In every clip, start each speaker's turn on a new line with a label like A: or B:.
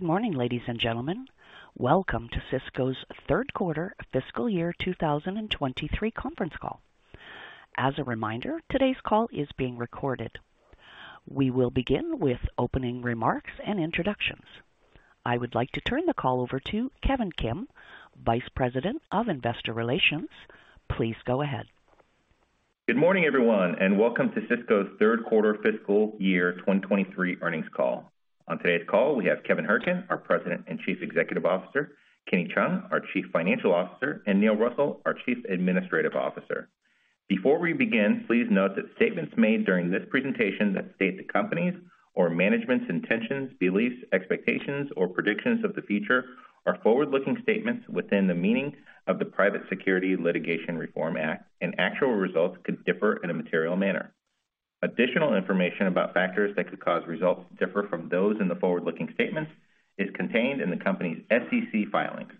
A: Good morning, ladies and gentlemen. Welcome to Sysco's Q3 FY 2023 Conference Call. As a reminder, today's call is being recorded. We will begin with opening remarks and introductions. I would like to turn the call over to Kevin Kim, Vice President of Investor Relations. Please go ahead.
B: Good morning, everyone, and welcome to Sysco's Q3 FY 2023 Earnings Call. On today's call, we have Kevin Hourican, our President and Chief Executive Officer, Kenny Cheung, our Chief Financial Officer, and Neil Russell, our Chief Administrative Officer. Before we begin, please note that statements made during this presentation that state the Company's or management's intentions, beliefs, expectations, or predictions of the future are forward-looking statements within the meaning of the Private Securities Litigation Reform Act and actual results could differ in a material manner. Additional information about factors that could cause results to differ from those in the forward-looking statements is contained in the Company's SEC filings.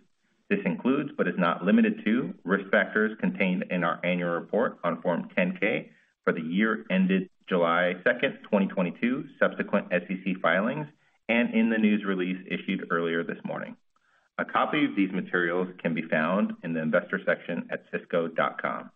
B: This includes, but is not limited to, risk factors contained in our annual report on Form 10-K for the year ended July 2nd, 2022, subsequent SEC filings, and in the news release issued earlier this morning. A copy of these materials can be found in the Investor section at sysco.com.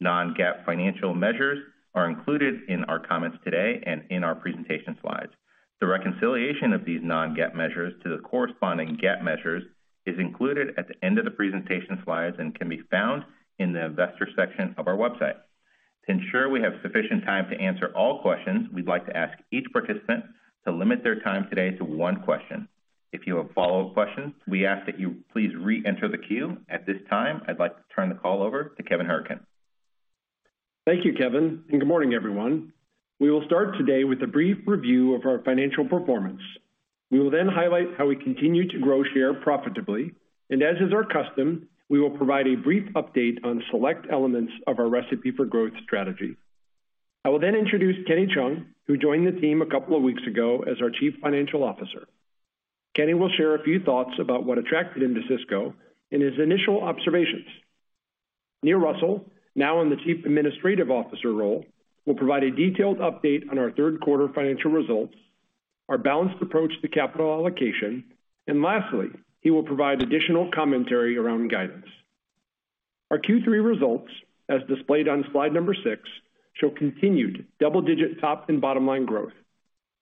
B: Non-GAAP financial measures are included in our comments today and in our presentation slides. The reconciliation of these non-GAAP measures to the corresponding GAAP measures is included at the end of the presentation slides and can be found in the Investor section of our website. To ensure we have sufficient time to answer all questions, we'd like to ask each participant to limit their time today to one question. If you have follow-up questions, we ask that you please re-enter the queue. At this time, I'd like to turn the call over to Kevin Hourican.
C: Thank you, Kevin. Good morning, everyone. We will start today with a brief review of our financial performance. We will then highlight how we continue to grow share profitably. As is our custom, we will provide a brief update on select elements of our Recipe for Growth strategy. I will then introduce Kenny Cheung, who joined the team a couple of weeks ago as our Chief Financial Officer. Kenny will share a few thoughts about what attracted him to Sysco and his initial observations. Neil Russell, now in the Chief Administrative Officer role, will provide a detailed update on our third quarter financial results, our balanced approach to capital allocation. Lastly, he will provide additional commentary around guidance. Our Q3 results, as displayed on slide number six, show continued double-digit top and bottom line growth.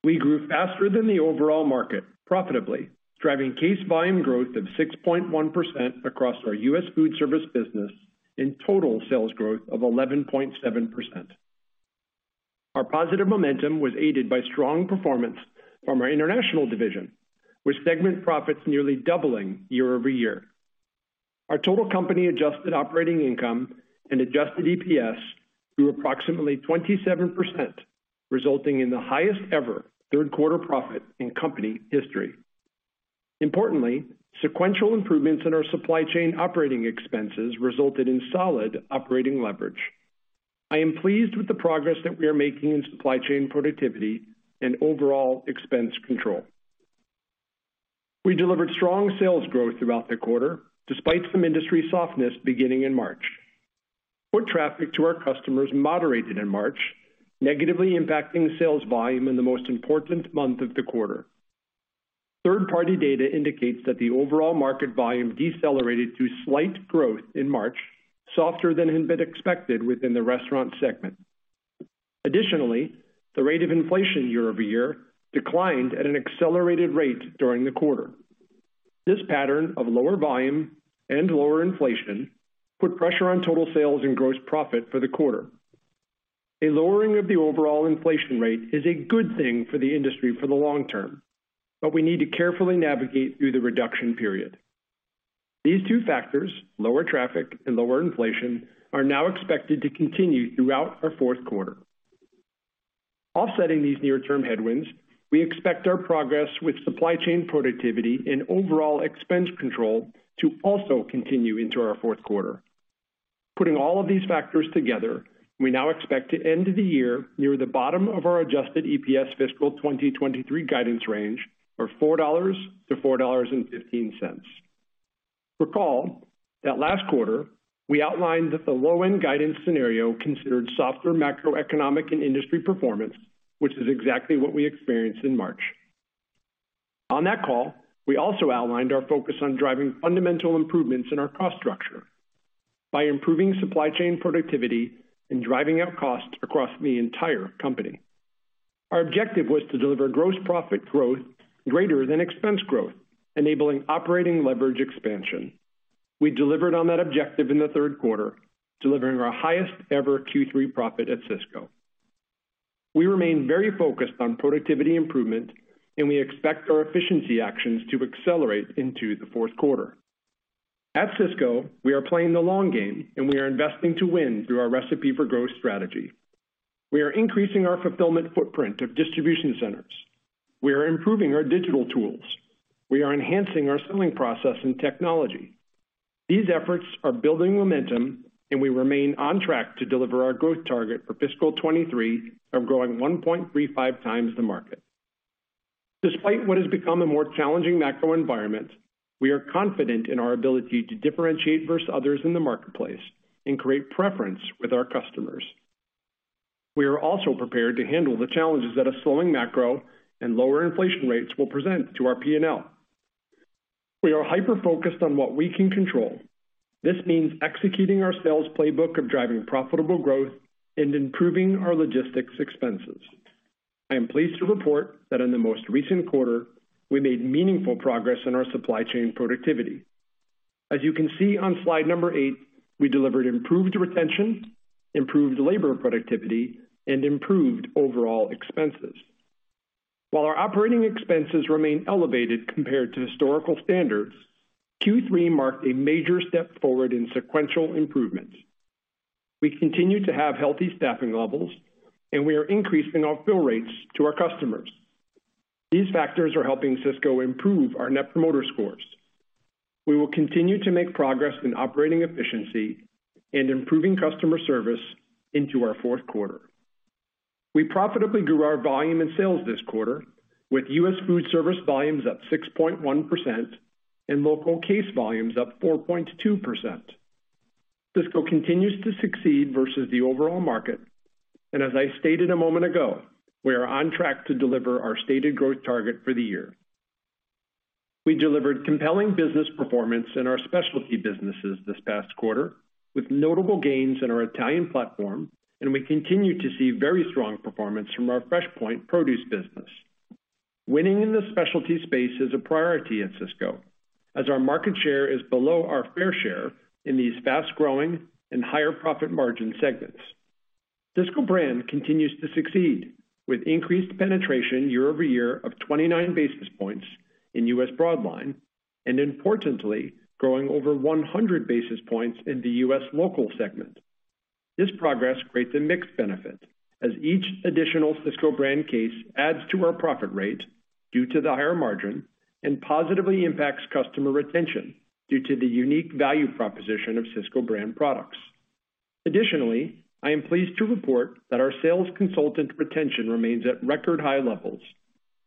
C: We grew faster than the overall market profitably, driving case volume growth of 6.1% across our U.S. Foodservice business and total sales growth of 11.7%. Our positive momentum was aided by strong performance from our International Division, with segment profits nearly doubling year-over-year. Our total company adjusted operating income and adjusted EPS grew approximately 27%, resulting in the highest ever third quarter profit in company history. Importantly, sequential improvements in our supply chain operating expenses resulted in solid operating leverage. I am pleased with the progress that we are making in supply chain productivity and overall expense control. We delivered strong sales growth throughout the quarter, despite some industry softness beginning in March. Foot traffic to our customers moderated in March, negatively impacting sales volume in the most important month of the quarter. Third-party data indicates that the overall market volume decelerated to slight growth in March, softer than had been expected within the restaurant segment. Additionally, the rate of inflation year-over-year declined at an accelerated rate during the quarter. This pattern of lower volume and lower inflation put pressure on total sales and gross profit for the quarter. A lowering of the overall inflation rate is a good thing for the industry for the long term, but we need to carefully navigate through the reduction period. These two factors, lower traffic and lower inflation, are now expected to continue throughout our fourth quarter. Offsetting these near-term headwinds, we expect our progress with supply chain productivity and overall expense control to also continue into our Q4. Putting all of these factors together, we now expect to end the year near the bottom of our adjusted EPS fiscal 2023 guidance range of $4.00-$4.15. Recall that last quarter we outlined that the low end guidance scenario considered softer macroeconomic and industry performance, which is exactly what we experienced in March. On that call, we also outlined our focus on driving fundamental improvements in our cost structure by improving supply chain productivity and driving out costs across the entire company. Our objective was to deliver gross profit growth greater than expense growth, enabling operating leverage expansion. We delivered on that objective in the Q3 delivering our highest ever Q3 profit at Sysco. We remain very focused on productivity improvement, and we expect our efficiency actions to accelerate into the fourth quarter. At Sysco, we are playing the long game. We are investing to win through our Recipe for Growth strategy. We are increasing our fulfillment footprint of distribution centers. We are improving our digital tools. We are enhancing our selling process and technology. These efforts are building momentum. We remain on track to deliver our growth target for fiscal 23 of growing 1.35x the market. Despite what has become a more challenging macro environment, we are confident in our ability to differentiate versus others in the marketplace and create preference with our customers. We are also prepared to handle the challenges that a slowing macro and lower inflation rates will present to our P&L. We are hyper-focused on what we can control. This means executing our sales playbook of driving profitable growth and improving our logistics expenses. I am pleased to report that in the most recent quarter, we made meaningful progress in our supply chain productivity. As you can see on slide number eight, we delivered improved retention, improved labor productivity, and improved overall expenses. While our operating expenses remain elevated compared to historical standards, Q3 marked a major step forward in sequential improvements. We continue to have healthy staffing levels. We are increasing our fill rates to our customers. These factors are helping Sysco improve our Net Promoter Scores. We will continue to make progress in operating efficiency and improving customer service into our fourth quarter. We profitably grew our volume in sales this quarter with U.S. Foodservice volumes up 6.1% and Local case volumes up 4.2%. Sysco continues to succeed versus the overall market. As I stated a moment ago, we are on track to deliver our stated growth target for the year. We delivered compelling business performance in our specialty businesses this past quarter, with notable gains in our Italian platform. We continue to see very strong performance from our FreshPoint produce business. Winning in the specialty space is a priority at Sysco, as our market share is below our fair share in these fast-growing and higher profit margin segments. Sysco Brand continues to succeed, with increased penetration year-over-year of 29 basis points in U.S. Broadline. Importantly, growing over 100 basis points in the U.S. Local segment. This progress creates a mixed benefit as each additional Sysco Brand case adds to our profit rate due to the higher margin and positively impacts customer retention due to the unique value proposition of Sysco Brand products. Additionally, I am pleased to report that our sales consultant retention remains at record high levels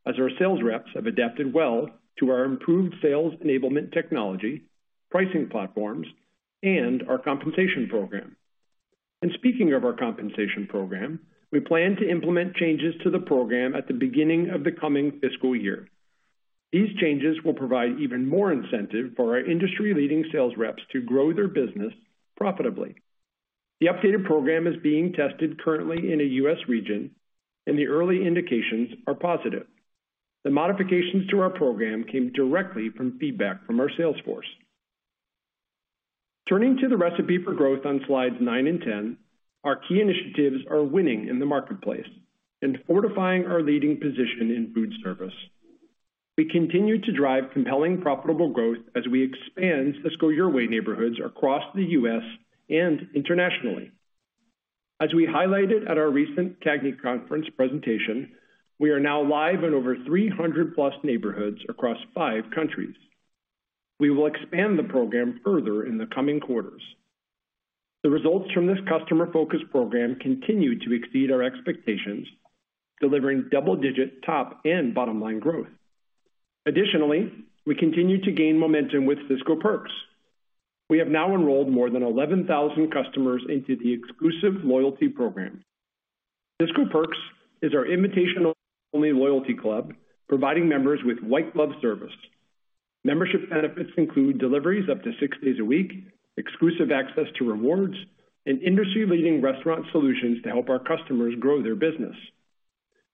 C: as our sales reps have adapted well to our improved sales enablement technology, pricing platforms, and our compensation program. Speaking of our compensation program, we plan to implement changes to the program at the beginning of the coming fiscal year. These changes will provide even more incentive for our industry-leading sales reps to grow their business profitably. The updated program is being tested currently in a U.S. region, and the early indications are positive. The modifications to our program came directly from feedback from our sales force. Turning to the Recipe for Growth on slides nine and 10, our key initiatives are winning in the marketplace and fortifying our leading position in foodservice. We continue to drive compelling profitable growth as we expand Sysco Your Way neighborhoods across the U.S. and internationally. As we highlighted at our recent CAGNY conference presentation, we are now live in over 300+ neighborhoods across five countries. We will expand the program further in the coming quarters. The results from this customer focus program continue to exceed our expectations, delivering double-digit top and bottom-line growth. Additionally, we continue to gain momentum with Sysco Perks. We have now enrolled more than 11,000 customers into the exclusive loyalty program. Sysco Perks is our invitational only loyalty club providing members with white glove service. Membership benefits include deliveries up to six days a week, exclusive access to rewards, and industry-leading restaurant solutions to help our customers grow their business.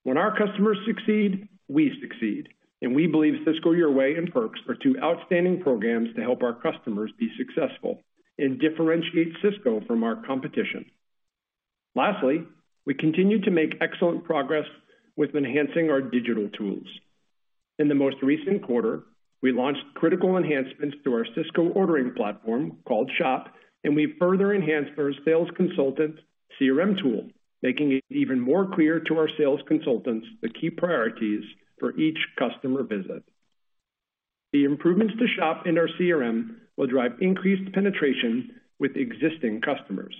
C: When our customers succeed, we succeed, and we believe Sysco Your Way and Perks are two outstanding programs to help our customers be successful and differentiate Sysco from our competition. Lastly, we continue to make excellent progress with enhancing our digital tools. In the most recent quarter, we launched critical enhancements to our Sysco ordering platform called Shop, and we further enhanced our sales consultants CRM tool, making it even more clear to our sales consultants the key priorities for each customer visit. The improvements to Shop and our CRM will drive increased penetration with existing customers.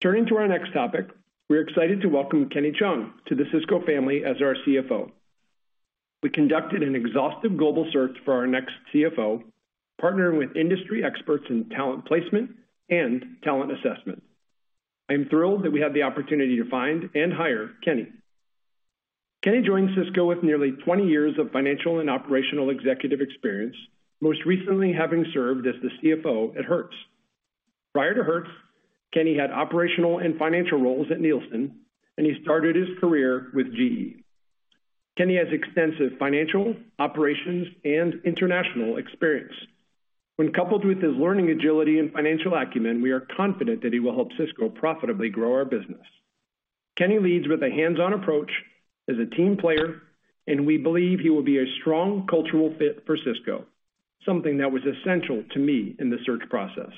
C: Turning to our next topic, we're excited to welcome Kenny Cheung to the Sysco family as our CFO. We conducted an exhaustive global search for our next CFO, partnering with industry experts in talent placement and talent assessment. I am thrilled that we had the opportunity to find and hire Kenny. Kenny joins Sysco with nearly 20 years of financial and operational executive experience, most recently having served as the CFO at Hertz. Prior to Hertz, Kenny had operational and financial roles at Nielsen, and he started his career with GE. Kenny has extensive financial, operations, and international experience. When coupled with his learning agility and financial acumen, we are confident that he will help Sysco profitably grow our business. Kenny leads with a hands-on approach, is a team player, and we believe he will be a strong cultural fit for Sysco, something that was essential to me in the search process.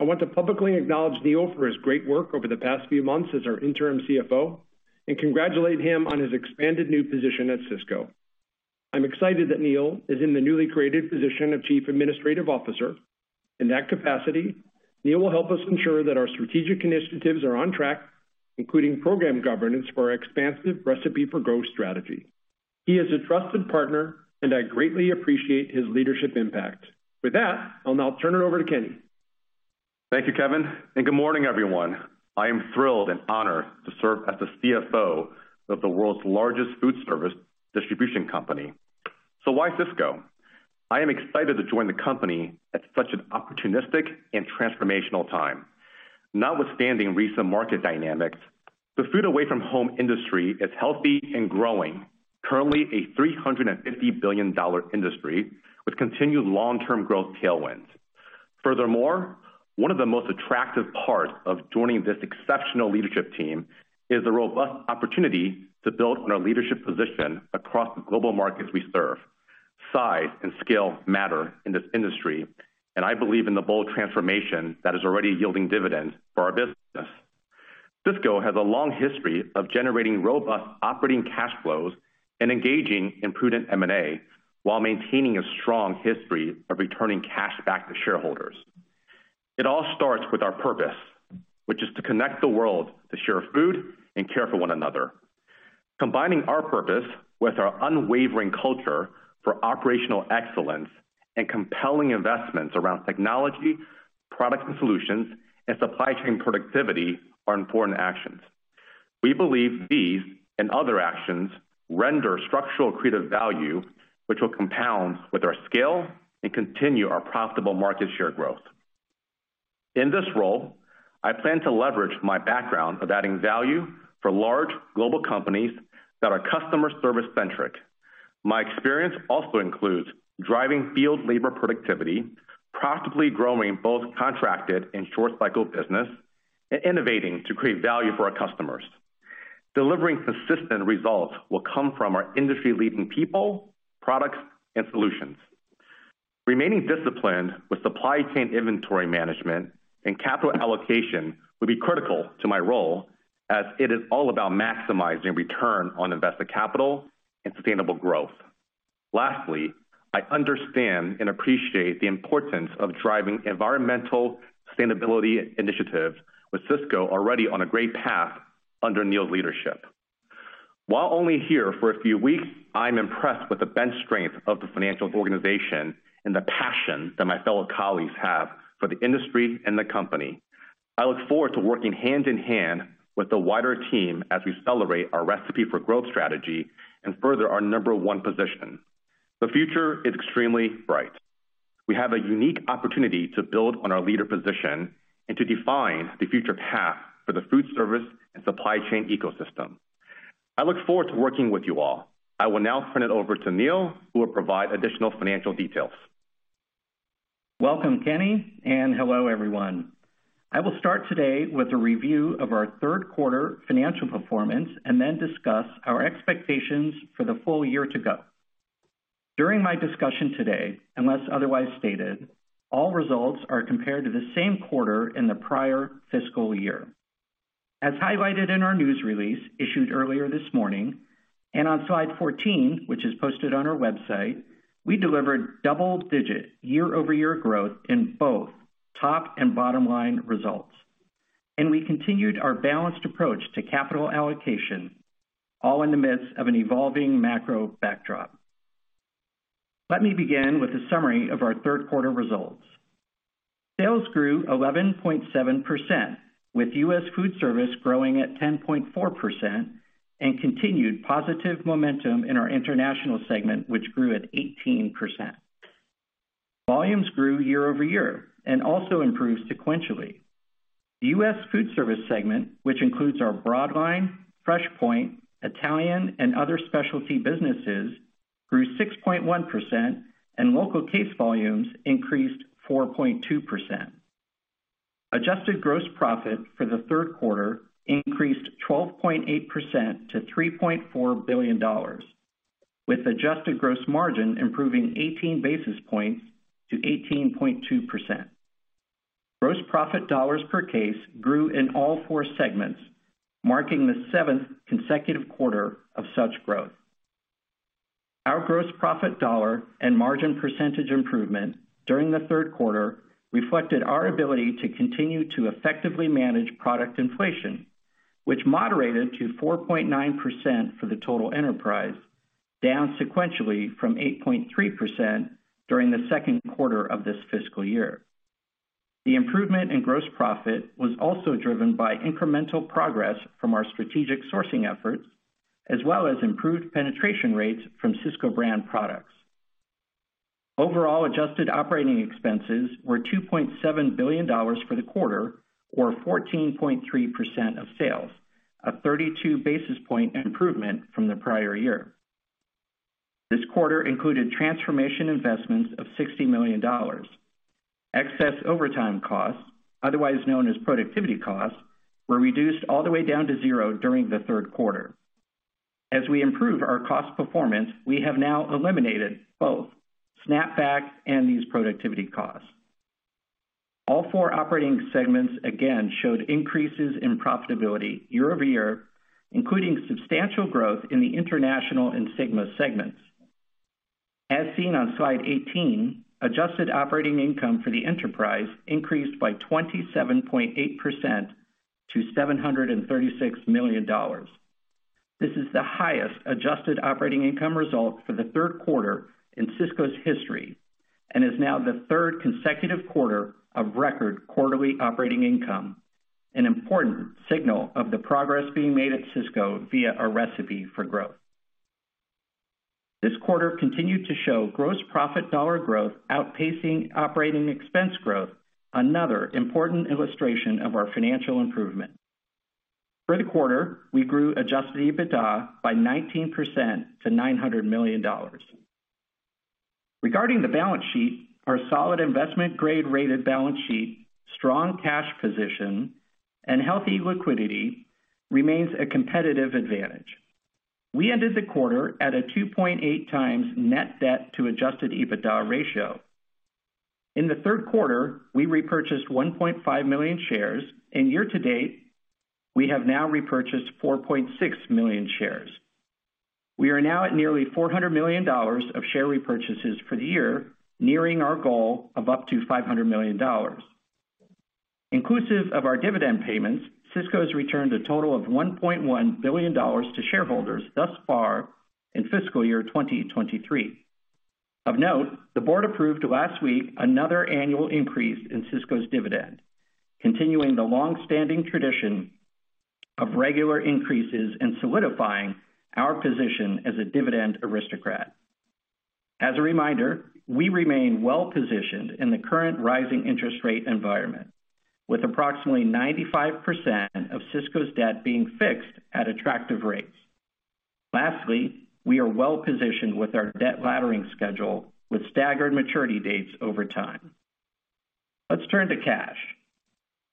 C: I want to publicly acknowledge Neil for his great work over the past few months as our interim CFO and congratulate him on his expanded new position at Sysco. I'm excited that Neil is in the newly created position of Chief Administrative Officer. In that capacity, Neil will help us ensure that our strategic initiatives are on track, including program governance for our expansive Recipe for Growth strategy. He is a trusted partner, and I greatly appreciate his leadership impact. With that, I'll now turn it over to Kenny.
D: Thank you, Kevin. Good morning, everyone. I am thrilled and honored to serve as the CFO of the world's largest foodservice distribution company. Why Sysco? I am excited to join the company at such an opportunistic and transformational time. Notwithstanding recent market dynamics, the food away from home industry is healthy and growing. Currently a $350 billion industry with continued long-term growth tailwinds. Furthermore, one of the most attractive parts of joining this exceptional leadership team is the robust opportunity to build on our leadership position across the global markets we serve. Size and scale matter in this industry. I believe in the bold transformation that is already yielding dividends for our business. Sysco has a long history of generating robust operating cash flows and engaging in prudent M&A while maintaining a strong history of returning cash back to shareholders. It all starts with our purpose, which is to connect the world to share food and care for one another. Combining our purpose with our unwavering culture for operational excellence and compelling investments around technology, product and solutions, and supply chain productivity are important actions. We believe these and other actions render structural creative value, which will compound with our scale and continue our profitable market share growth. In this role, I plan to leverage my background of adding value for large global companies that are customer service-centric. My experience also includes driving field labor productivity, profitably growing both contracted and short cycle business, and innovating to create value for our customers. Delivering consistent results will come from our industry leading people, products and solutions. Remaining disciplined with supply chain inventory management and capital allocation will be critical to my role as it is all about maximizing return on invested capital and sustainable growth. Lastly, I understand and appreciate the importance of driving environmental sustainability initiatives with Sysco already on a great path under Neil's leadership. While only here for a few weeks, I'm impressed with the bench strength of the financial organization and the passion that my fellow colleagues have for the industry and the company. I look forward to working hand in hand with the wider team as we celebrate our Recipe for Growth strategy and further our number one position. The future is extremely bright. We have a unique opportunity to build on our leader position and to define the future path for the foodservice and supply chain ecosystem. I look forward to working with you all. I will now turn it over to Neil, who will provide additional financial details.
E: Welcome, Kenny, and hello, everyone. I will start today with a review of our Q3 financial performance and then discuss our expectations for the full year to go. During my discussion today, unless otherwise stated, all results are compared to the same quarter in the prior fiscal year. As highlighted in our news release issued earlier this morning, and on slide 14, which is posted on our website, we delivered double-digit year-over-year growth in both top and bottom line results, and we continued our balanced approach to capital allocation, all in the midst of an evolving macro backdrop. Let me begin with a summary of our Q3 results. Sales grew 11.7%, with U.S. Foodservice growing at 10.4% and continued positive momentum in our International segment, which grew at 18%. Volumes grew year-over-year and also improved sequentially. The U.S. Foodservice segment, which includes our Broadline, FreshPoint, Italian, and other specialty businesses, grew 6.1%, and local case volumes increased 4.2%. Adjusted gross profit for the third quarter increased 12.8% to $3.4 billion, with adjusted gross margin improving 18 basis points to 18.2%. Gross profit dollars per case grew in all four segments, marking the seventh consecutive quarter of such growth. Our gross profit dollar and margin percentage improvement during the Q3 reflected our ability to continue to effectively manage product inflation, which moderated to 4.9% for the total enterprise, down sequentially from 8.3% during the Q2 of this fiscal year. The improvement in gross profit was also driven by incremental progress from our strategic sourcing efforts, as well as improved penetration rates from Sysco Brand products. Overall adjusted operating expenses were $2.7 billion for the quarter or 14.3% of sales, a 32 basis point improvement from the prior year. This quarter included transformation investments of $60 million. Excess overtime costs, otherwise known as productivity costs, were reduced all the way down to 0 during the third quarter. We improve our cost performance, we have now eliminated both snapback and these productivity costs. All four operating segments again showed increases in profitability year-over-year, including substantial growth in the International and SYGMA segment. Seen on slide 18, adjusted operating income for the enterprise increased by 27.8% to $736 million. This is the highest adjusted operating income result for the Q3 in Sysco's history, and is now the third consecutive quarter of record quarterly operating income, an important signal of the progress being made at Sysco via our Recipe for Growth. This quarter continued to show gross profit dollar growth outpacing operating expense growth, another important illustration of our financial improvement. For the quarter, we grew adjusted EBITDA by 19% to $900 million. Regarding the balance sheet, our solid investment grade rated balance sheet, strong cash position, and healthy liquidity remains a competitive advantage. We ended the quarter at a 2.8x net debt to adjusted EBITDA ratio. In the third quarter, we repurchased 1.5 million shares, and year to date, we have now repurchased 4.6 million shares. We are now at nearly $400 million of share repurchases for the year, nearing our goal of up to $500 million. Inclusive of our dividend payments, Sysco has returned a total of $1.1 billion to shareholders thus far in fiscal year 2023. Of note, the board approved last week another annual increase in Sysco's dividend, continuing the long-standing tradition of regular increases and solidifying our position as a dividend aristocrat. As a reminder, we remain well-positioned in the current rising interest rate environment, with approximately 95% of Sysco's debt being fixed at attractive rates. Lastly, we are well-positioned with our debt laddering schedule with staggered maturity dates over time. Let's turn to cash.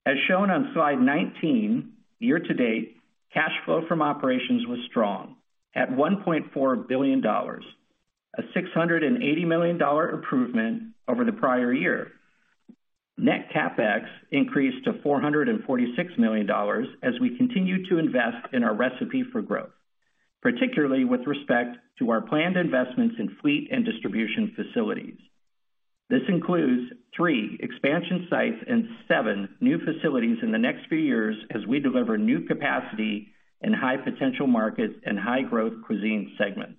E: As shown on slide 19, year to date, cash flow from operations was strong at $1.4 billion, a $680 million improvement over the prior year. Net CapEx increased to $446 million as we continue to invest in our Recipe for Growth, particularly with respect to our planned investments in fleet and distribution facilities. This includes three expansion sites and seven new facilities in the next few years as we deliver new capacity in high potential markets and high growth cuisine segments.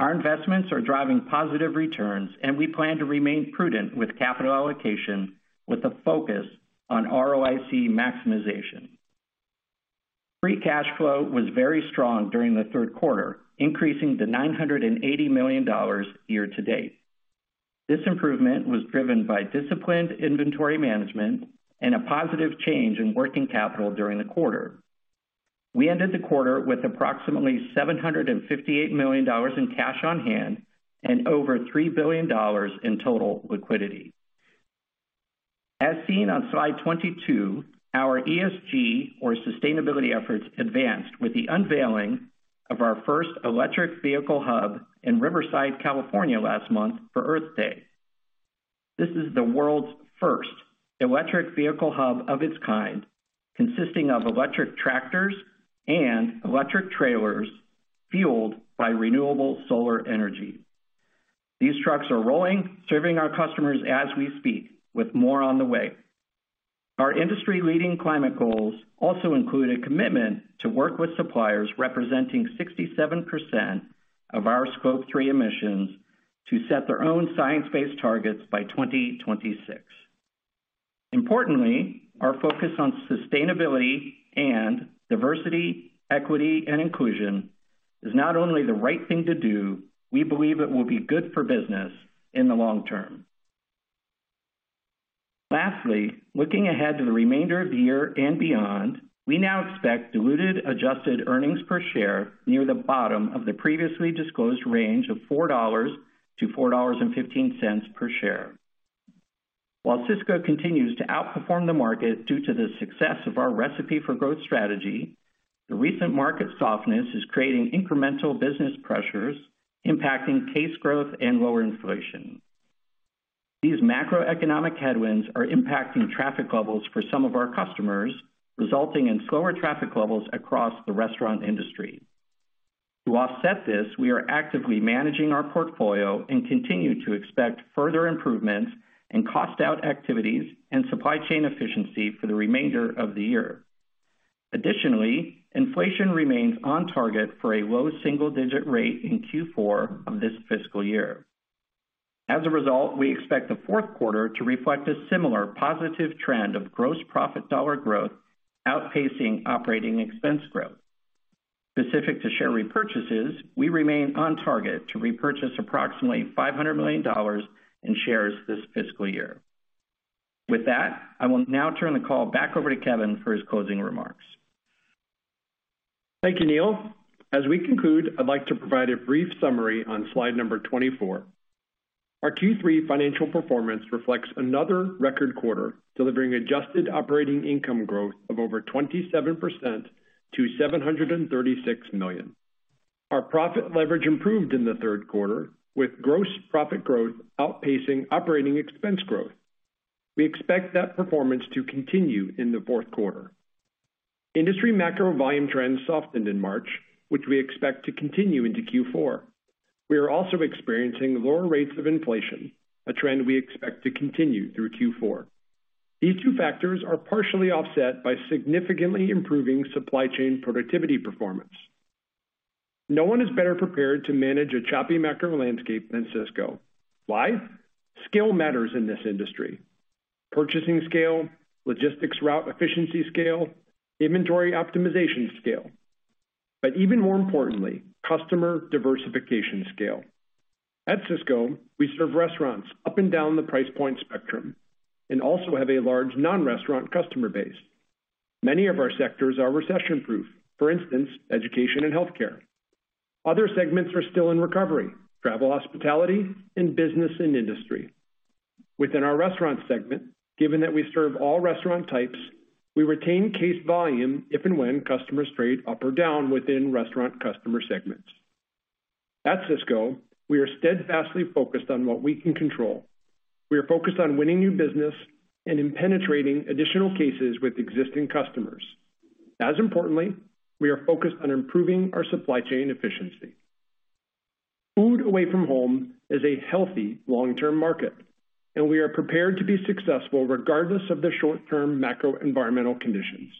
E: Our investments are driving positive returns, and we plan to remain prudent with capital allocation with a focus on ROIC maximization. Free cash flow was very strong during the third quarter, increasing to $980 million year to date. This improvement was driven by disciplined inventory management and a positive change in working capital during the quarter. We ended the quarter with approximately $758 million in cash on hand and over $3 billion in total liquidity. As seen on slide 22, our ESG or sustainability efforts advanced with the unveiling of our first electric vehicle hub in Riverside, California last month for Earth Day. This is the world's first electric vehicle hub of its kind, consisting of electric tractors and electric trailers fueled by renewable solar energy. These trucks are rolling, serving our customers as we speak, with more on the way. Our industry-leading climate goals also include a commitment to work with suppliers representing 67% of our Scope 3 emissions to set their own science-based targets by 2026. Importantly, our focus on sustainability and diversity, equity, and inclusion is not only the right thing to do, we believe it will be good for business in the long term. Looking ahead to the remainder of the year and beyond, we now expect diluted adjusted earnings per share near the bottom of the previously disclosed range of $4-$4.15 per share. While Sysco continues to outperform the market due to the success of our Recipe for Growth strategy, the recent market softness is creating incremental business pressures impacting case growth and lower inflation. These macroeconomic headwinds are impacting traffic levels for some of our customers, resulting in slower traffic levels across the restaurant industry. To offset this, we are actively managing our portfolio and continue to expect further improvements in cost out activities and supply chain efficiency for the remainder of the year. Additionally, inflation remains on target for a low single-digit rate in Q4 of this fiscal year. As a result, we expect the fourth quarter to reflect a similar positive trend of gross profit dollar growth outpacing operating expense growth. Specific to share repurchases, we remain on target to repurchase approximately $500 million in shares this fiscal year. With that, I will now turn the call back over to Kevin for his closing remarks.
C: Thank you, Neil. As we conclude, I'd like to provide a brief summary on slide number 24. Our Q3 financial performance reflects another record quarter, delivering adjusted operating income growth of over 27% to $736 million. Our profit leverage improved in the Q3, with gross profit growth outpacing operating expense growth. We expect that performance to continue in the 4th quarter. Industry macro volume trends softened in March, which we expect to continue into Q4. We are also experiencing lower rates of inflation, a trend we expect to continue through Q4. These two factors are partially offset by significantly improving supply chain productivity performance. No one is better prepared to manage a choppy macro landscape than Sysco. Why? Scale matters in this industry. Purchasing scale, logistics route efficiency scale, inventory optimization scale, but even more importantly, customer diversification scale. At Sysco, we serve restaurants up and down the price point spectrum and also have a large non-restaurant customer base. Many of our sectors are recession proof. For instance, education and healthcare. Other segments are still in recovery, travel, hospitality and business and industry. Within our restaurant segment, given that we serve all restaurant types, we retain case volume if and when customers trade up or down within restaurant customer segments. At Sysco, we are steadfastly focused on what we can control. We are focused on winning new business and in penetrating additional cases with existing customers. As importantly, we are focused on improving our supply chain efficiency. Food away from home is a healthy long-term market, and we are prepared to be successful regardless of the short-term macro environmental conditions.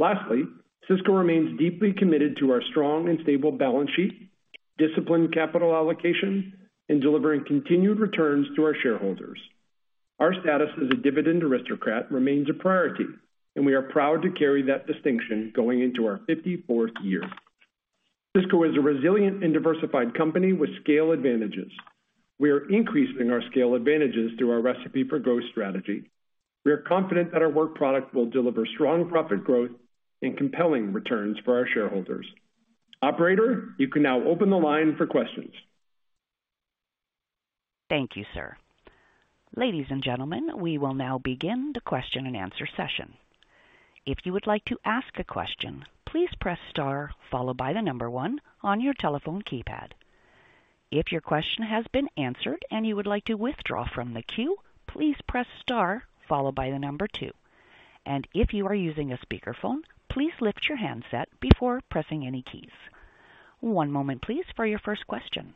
C: Lastly, Sysco remains deeply committed to our strong and stable balance sheet, disciplined capital allocation, and delivering continued returns to our shareholders. Our status as a dividend aristocrat remains a priority, and we are proud to carry that distinction going into our 54th year. Sysco is a resilient and diversified company with scale advantages. We are increasing our scale advantages through our Recipe for Growth strategy. We are confident that our work product will deliver strong profit growth and compelling returns for our shareholders. Operator, you can now open the line for questions.
A: Thank you, sir. Ladies and gentlemen, we will now begin the question and answer session. If you would like to ask a question, please press star followed by the number one on your telephone keypad. If your question has been answered and you would like to withdraw from the queue, please press star followed by the number two. If you are using a speakerphone, please lift your handset before pressing any keys. One moment, please, for your first question.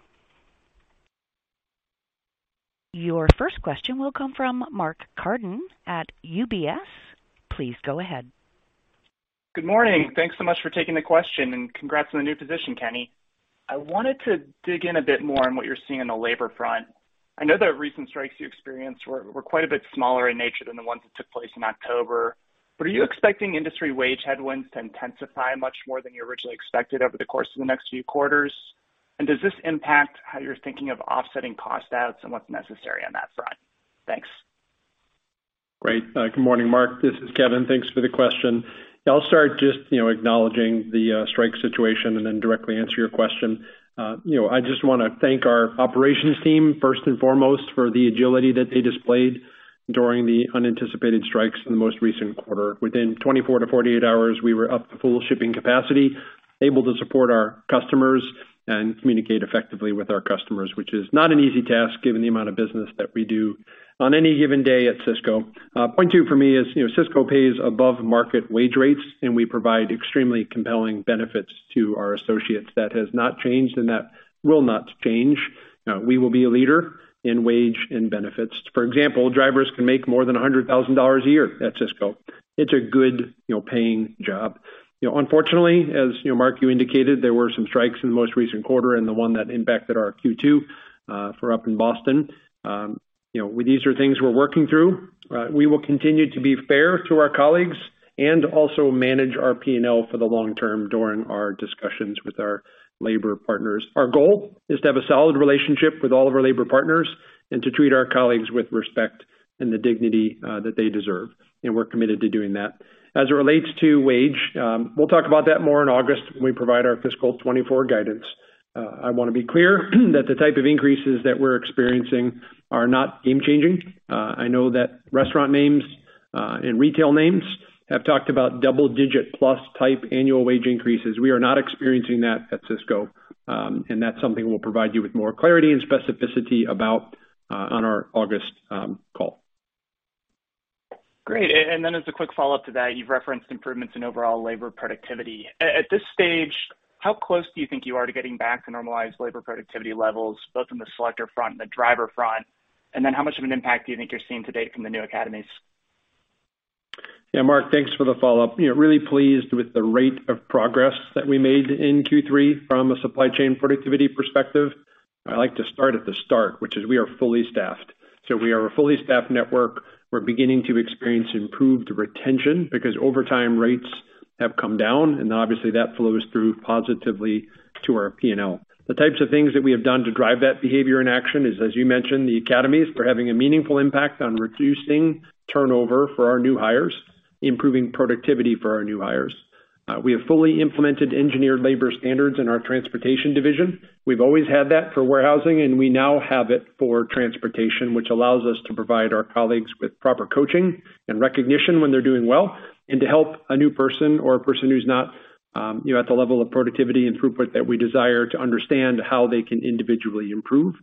A: Your first question will come from Mark Carden at UBS. Please go ahead.
F: Good morning. Thanks so much for taking the question and congrats on the new position, Kenny. I wanted to dig in a bit more on what you're seeing on the labor front. I know the recent strikes you experienced were quite a bit smaller in nature than the ones that took place in October. Are you expecting industry wage headwinds to intensify much more than you originally expected over the course of the next few quarters? Does this impact how you're thinking of offsetting cost outs and what's necessary on that front? Thanks.
C: Great. Good morning, Mark. This is Kevin. Thanks for the question. I'll start just acknowledging the strike situation and then directly answer your question. You know, I just wanna thank our operations team, first and foremost, for the agility that they displayed during the unanticipated strikes in the most recent quarter. Within 24 to 48 hours, we were up to full shipping capacity, able to support our customers and communicate effectively with our customers, which is not an easy task given the amount of business that we do on any given day at Sysco. Point two for me is Sysco pays above market wage rates, and we provide extremely compelling benefits to our associates. That has not changed, and that will not change. We will be a leader in wage and benefits. For example, drivers can make more than $100,000 a year at Sysco. It's a good paying job. Unfortunately, as Mark, you indicated, there were some strikes in the most recent quarter and the one that impacted our Q2 for up in Boston. These are things we're working through. We will continue to be fair to our colleagues and also manage our P&L for the long term during our discussions with our labor partners. Our goal is to have a solid relationship with all of our labor partners and to treat our colleagues with respect and the dignity that they deserve, and we're committed to doing that. As it relates to wage, we'll talk about that more in August when we provide our fiscal 2024 guidance. I want to be clear that the type of increases that we're experiencing are not game changing. I know that restaurant names and retail names have talked about double digit plus type annual wage increases. We are not experiencing that at Sysco, and that's something we'll provide you with more clarity and specificity about, on our August call.
F: Great. As a quick follow up to that, you've referenced improvements in overall labor productivity. At this stage, how close do you think you are to getting back to normalized labor productivity levels, both on the selector front and the driver front? How much of an impact do you think you're seeing to date from the new academies?
C: Yeah, Mark, thanks for the follow-up. Really pleased with the rate of progress that we made in Q3 from a supply chain productivity perspective. I like to start at the start, which is we are fully staffed. We are a fully staffed network. We're beginning to experience improved retention because overtime rates have come down, and obviously that flows through positively to our P&L. The types of things that we have done to drive that behavior in action is, as you mentioned, the academies for having a meaningful impact on reducing turnover for our new hires, improving productivity for our new hires. We have fully implemented engineered labor standards in our transportation division. We've always had that for warehousing, and we now have it for transportation, which allows us to provide our colleagues with proper coaching and recognition when they're doing well, and to help a new person or a person who's not, at the level of productivity and throughput that we desire to understand how they can individually improve.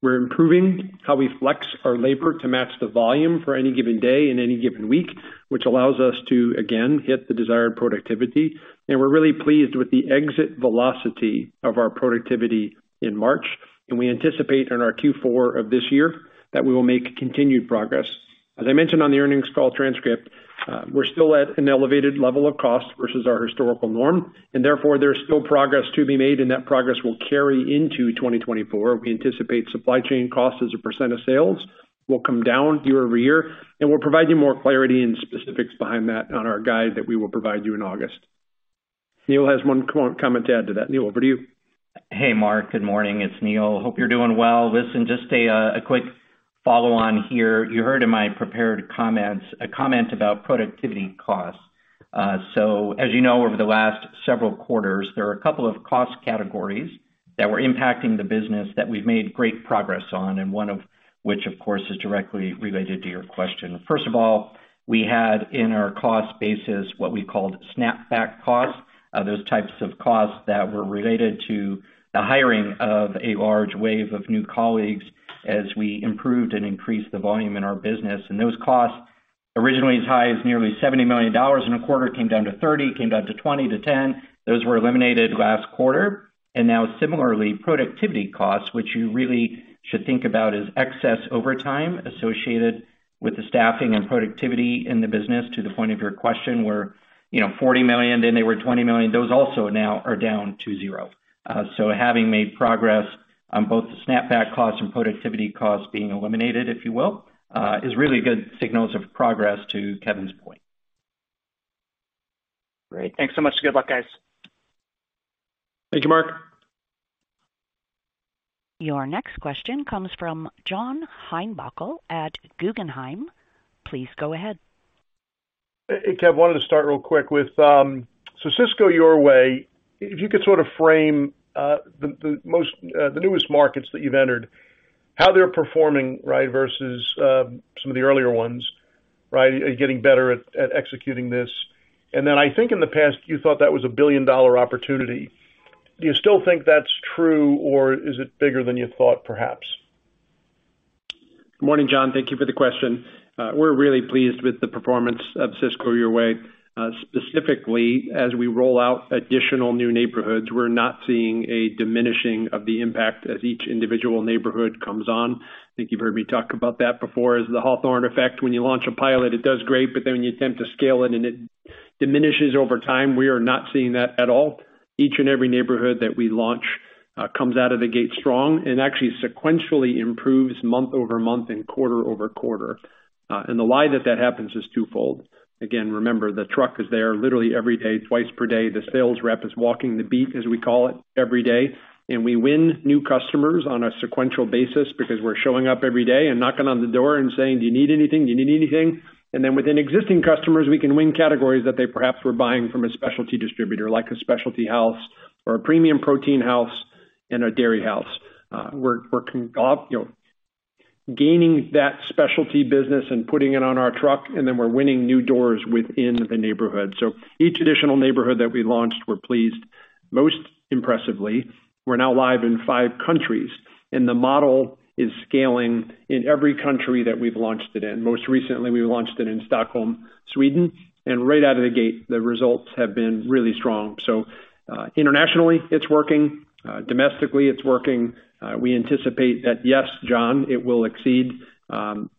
C: We're improving how we flex our labor to match the volume for any given day in any given week, which allows us to, again, hit the desired productivity. We're really pleased with the exit velocity of our productivity in March, and we anticipate in our Q4 of this year that we will make continued progress. As I mentioned on the earnings call transcript, we're still at an elevated level of cost versus our historical norm, therefore there's still progress to be made, and that progress will carry into 2024. We anticipate supply chain costs as a % of sales will come down year-over-year, and we'll provide you more clarity and specifics behind that on our guide that we will provide you in August. Neil has one co-comment to add to that. Neil, over to you.
E: Hey, Mark. Good morning. It's Neil. Hope you're doing well. Listen, just a quick follow on here. You heard in my prepared comments a comment about productivity costs. As you know, over the last several quarters, there are a couple of cost categories that were impacting the business that we've made great progress on, and one of which, of course, is directly related to your question. First of all, we had in our cost basis what we called snapback costs. Those types of costs that were related to the hiring of a large wave of new colleagues as we improved and increased the volume in our business. Those costs, originally as high as nearly $70 million in a quarter, came down to $30 million, came down to $20 million to $10 million. Those were eliminated last quarter. Now similarly, productivity costs, which you really should think about, is excess overtime associated with the staffing and productivity in the business to the point of your question, were, you know, $40 million, then they were $20 million. Those also now are down to 0. Having made progress on both the snapback costs and productivity costs being eliminated, if you will, is really good signals of progress to Kevin's point.
F: Great. Thanks so much. Good luck, guys.
C: Thank you, Mark.
A: Your next question comes from John Heinbockel at Guggenheim. Please go ahead.
G: Hey, Kev, wanted to start real quick with Sysco Your Way, if you could sort of frame the most, the newest markets that you've entered, how they're performing, right, versus some of the earlier ones. Right? Getting better at executing this. I think in the past you thought that was a billion-dollar opportunity. Do you still think that's true or is it bigger than you thought perhaps?
C: Morning, John. Thank you for the question. We're really pleased with the performance of Sysco Your Way. Specifically as we roll out additional new neighborhoods, we're not seeing a diminishing of the impact as each individual neighborhood comes on. I think you've heard me talk about that before as the Hawthorne effect. When you launch a pilot, it does great, but then when you attempt to scale it and it diminishes over time. We are not seeing that at all. Each and every neighborhood that we launch comes out of the gate strong and actually sequentially improves month-over-month and quarter-over-quarter. The why that that happens is twofold. Again, remember, the truck is there literally every day, twice per day. The sales rep is walking the beat, as we call it, every day. We win new customers on a sequential basis because we're showing up every day and knocking on the door and saying, "Do you need anything? Do you need anything?" Within existing customers, we can win categories that they perhaps were buying from a specialty distributor, like a specialty house or a premium protein house and a dairy house. We're, you know, gaining that specialty business and putting it on our truck, and then we're winning new doors within the neighborhood. Each additional neighborhood that we launched, we're pleased. Most impressively, we're now live in five countries. The model is scaling in every country that we've launched it in. Most recently, we launched it in Stockholm, Sweden. Right out of the gate, the results have been really strong. Internationally, it's working. Domestically, it's working. We anticipate that, yes, John, it will exceed, you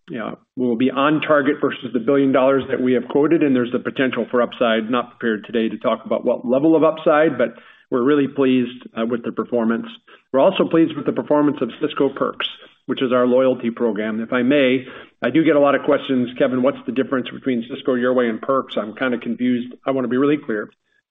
C: know, we'll be on target versus the $1 billion that we have quoted, there's the potential for upside. Not prepared today to talk about what level of upside, we're really pleased with the performance. We're also pleased with the performance of Sysco Perks, which is our loyalty program. If I may, I do get a lot of questions, Kevin, what's the difference between Sysco Your Way and Perks? I'm kind of confused. I want to be really clear.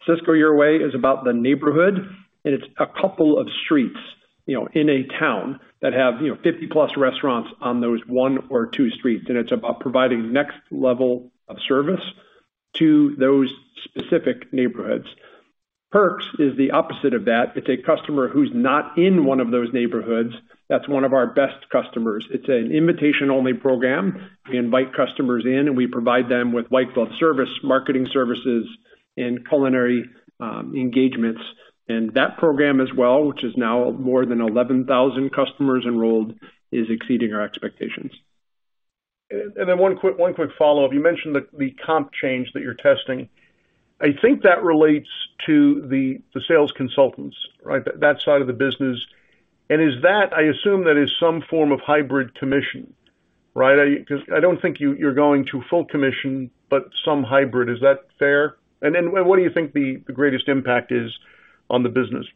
C: Sysco Your Way is about the neighborhood, it's a couple of streets, you know, in a town that have, you know, 50-plus restaurants on those one or two streets. It's about providing next level of service to those specific neighborhoods. Perks is the opposite of that. It's a customer who's not in one of those neighborhoods. That's one of our best customers. It's an invitation-only program. We invite customers in, and we provide them with white glove service, marketing services, and culinary engagements. That program as well, which is now more than 11,000 customers enrolled, is exceeding our expectations.
G: One quick follow-up. You mentioned the comp change that you're testing. I think that relates to the sales consultants, right? That side of the business. I assume that is some form of hybrid commission, right? 'Cause I don't think you're going to full commission, but some hybrid. Is that fair? What do you think the greatest impact is on the business?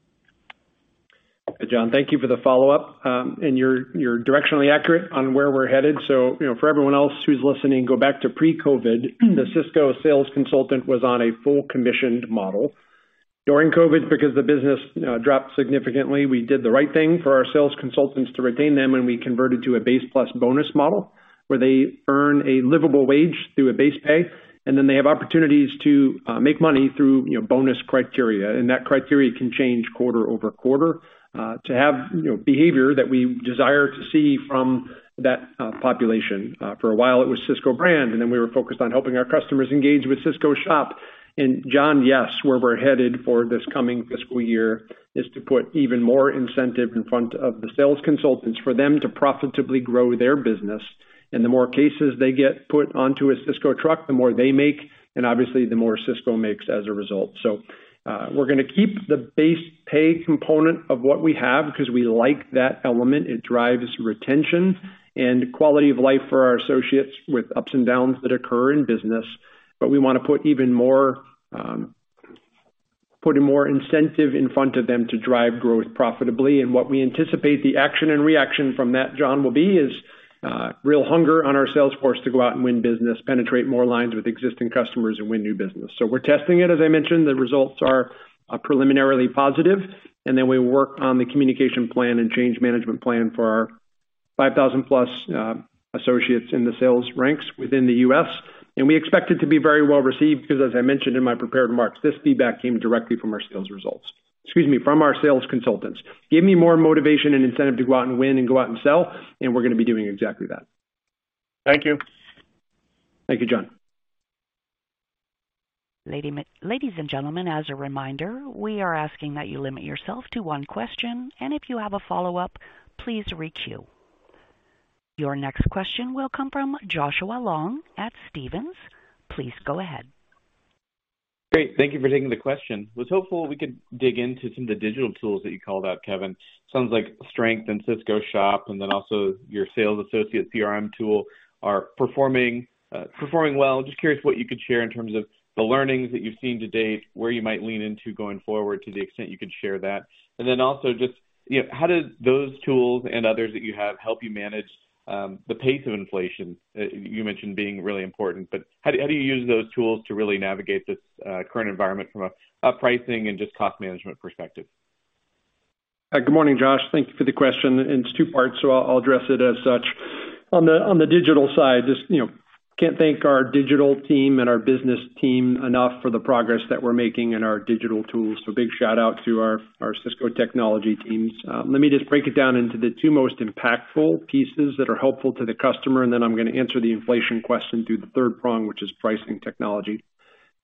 C: John, thank you for the follow-up. You're directionally accurate on where we're headed. You know, for everyone else who's listening, go back to pre-COVID. The Sysco sales consultant was on a full commissioned model. During COVID, because the business, you know, dropped significantly, we did the right thing for our sales consultants to retain them, we converted to a base plus bonus model where they earn a livable wage through a base pay, then they have opportunities to make money through, you know, bonus criteria. That criteria can change quarter-over-quarter to have, you know, behavior that we desire to see from that population. For a while it was Sysco Brand, then we were focused on helping our customers engage with Sysco Shop. John, yes, where we're headed for this coming fiscal year is to put even more incentive in front of the sales consultants for them to profitably grow their business. And the more cases they get put onto a Sysco truck, the more they make, and obviously the more Sysco makes as a result. We're gonna keep the base pay component of what we have because we like that element. It drives retention and quality of life for our associates with ups and downs that occur in business. We wanna put a more incentive in front of them to drive growth profitably. What we anticipate the action and reaction from that, John, will be, is real hunger on our sales force to go out and win business, penetrate more lines with existing customers, and win new business. We're testing it. As I mentioned, the results are preliminarily positive. Then we work on the communication plan and change management plan for our 5,000 plus associates in the sales ranks within the U.S. We expect it to be very well received because as I mentioned in my prepared remarks, this feedback came directly from our sales consultants. Give me more motivation and incentive to go out and win and go out and sell. We're gonna be doing exactly that.
G: Thank you.
C: Thank you, John.
A: Ladies and gentlemen, as a reminder, we are asking that you limit yourself to one question. If you have a follow-up, please re-queue. Your next question will come from Joshua Long at Stephens. Please go ahead.
H: Great. Thank you for taking the question. Was hopeful we could dig into some of the digital tools that you called out, Kevin. Sounds like strength in Sysco Shop, and then also your sales associate CRM tool are performing well. Just curious what you could share in terms of the learnings that you've seen to date, where you might lean into going forward, to the extent you could share that. Also just, you know, how do those tools and others that you have help you manage the pace of inflation? You mentioned being really important, but how do you use those tools to really navigate this current environment from a pricing and just cost management perspective?
C: Good morning, Josh. Thank you for the question. It's two parts. I'll address it as such. On the digital side, just, you know, can't thank our digital team and our business team enough for the progress that we're making in our digital tools. Let me just break it down into the two most impactful pieces that are helpful to the customer. I'm gonna answer the inflation question through the third prong, which is pricing technology.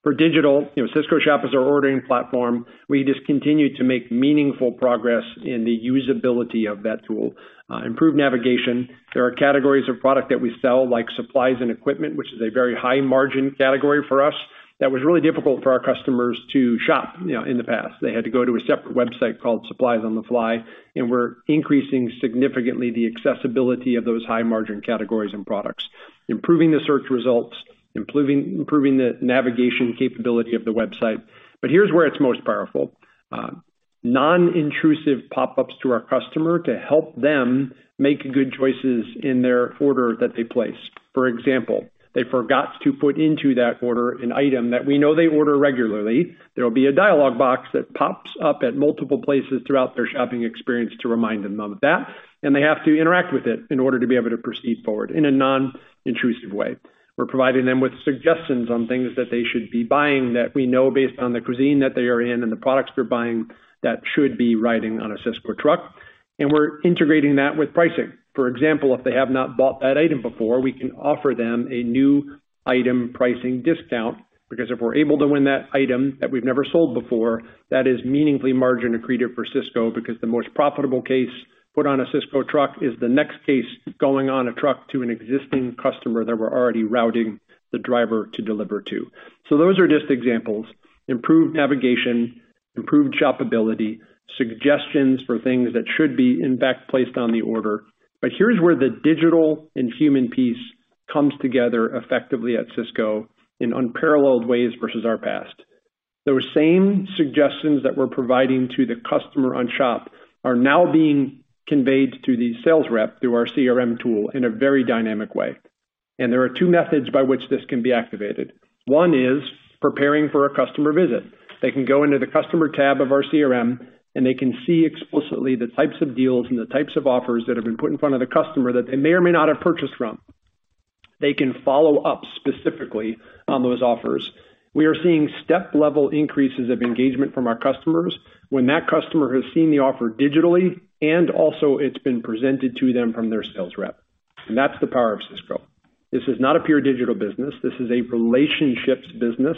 C: For digital, you know, Sysco Shop is our ordering platform. We just continue to make meaningful progress in the usability of that tool, improve navigation. There are categories of product that we sell, like supplies and equipment, which is a very high margin category for us. That was really difficult for our customers to shop, you know, in the past. They had to go to a separate website called Supplies on the Fly. We're increasing significantly the accessibility of those high margin categories and products, improving the search results, improving the navigation capability of the website. Here's where it's most powerful. Non-intrusive pop-ups to our customer to help them make good choices in their order that they place. For example, they forgot to put into that order an item that we know they order regularly. There will be a dialog box that pops up at multiple places throughout their shopping experience to remind them of that. They have to interact with it in order to be able to proceed forward in a non-intrusive way. We're providing them with suggestions on things that they should be buying that we know based on the cuisine that they are in and the products they're buying that should be riding on a Sysco truck. We're integrating that with pricing. For example, if they have not bought that item before, we can offer them a new item pricing discount, because if we're able to win that item that we've never sold before, that is meaningfully margin accretive for Sysco, because the most profitable case put on a Sysco truck is the next case going on a truck to an existing customer that we're already routing the driver to deliver to. Those are just examples. Improved navigation, improved shoppability, suggestions for things that should be in fact placed on the order. Here's where the digital and human piece comes together effectively at Sysco in unparalleled ways versus our past. Those same suggestions that we're providing to the customer on Sysco Shop are now being conveyed to the sales rep through our CRM tool in a very dynamic way. There are two methods by which this can be activated. One is preparing for a customer visit. They can go into the customer tab of our CRM, and they can see explicitly the types of deals and the types of offers that have been put in front of the customer that they may or may not have purchased from. They can follow up specifically on those offers. We are seeing step level increases of engagement from our customers when that customer has seen the offer digitally and also it's been presented to them from their sales rep. That's the power of Sysco. This is not a pure digital business. This is a relationships business.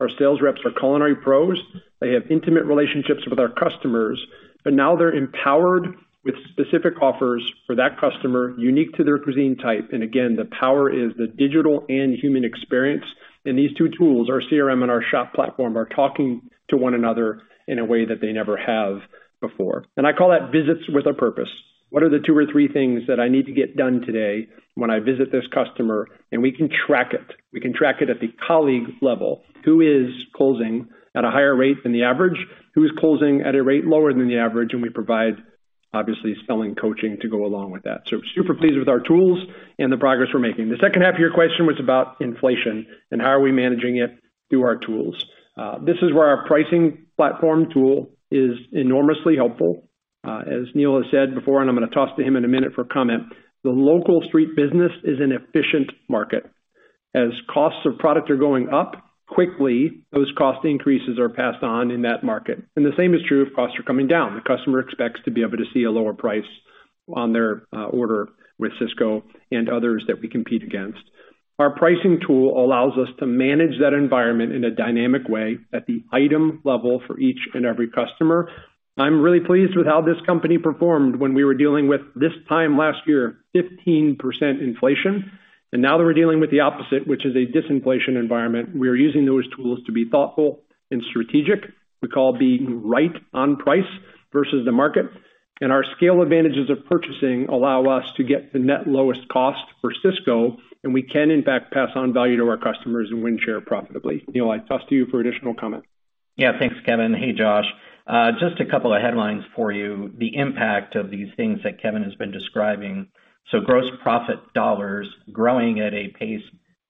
C: Our sales reps are culinary pros. They have intimate relationships with our customers, but now they're empowered with specific offers for that customer, unique to their cuisine type. Again, the power is the digital and human experience. These two tools, our CRM and our Shop platform, are talking to one another in a way that they never have before. I call that visits with a purpose. What are the two or three things that I need to get done today when I visit this customer? We can track it. We can track it at the colleague level. Who is closing at a higher rate than the average? Who is closing at a rate lower than the average? We provide, obviously, spelling coaching to go along with that. Super pleased with our tools and the progress we're making. The second half of your question was about inflation and how are we managing it through our tools. This is where our pricing platform tool is enormously helpful. As Neil has said before, and I'm gonna toss to him in a minute for comment, the local street business is an efficient market. As costs of product are going up quickly, those cost increases are passed on in that market. The same is true if costs are coming down. The customer expects to be able to see a lower price on their order with Sysco and others that we compete against. Our pricing tool allows us to manage that environment in a dynamic way at the item level for each and every customer. I'm really pleased with how this company performed when we were dealing with this time last year, 15% inflation. Now that we're dealing with the opposite, which is a disinflation environment, we are using those tools to be thoughtful and strategic. We call it being right on price versus the market. Our scale advantages of purchasing allow us to get the net lowest cost for Sysco, and we can, in fact, pass on value to our customers and win share profitably. Neil, I toss to you for additional comment.
E: Yeah. Thanks, Kevin. Hey, Josh. just a couple of headlines for you. The impact of these things that Kevin has been describing. gross profit dollars growing at a pace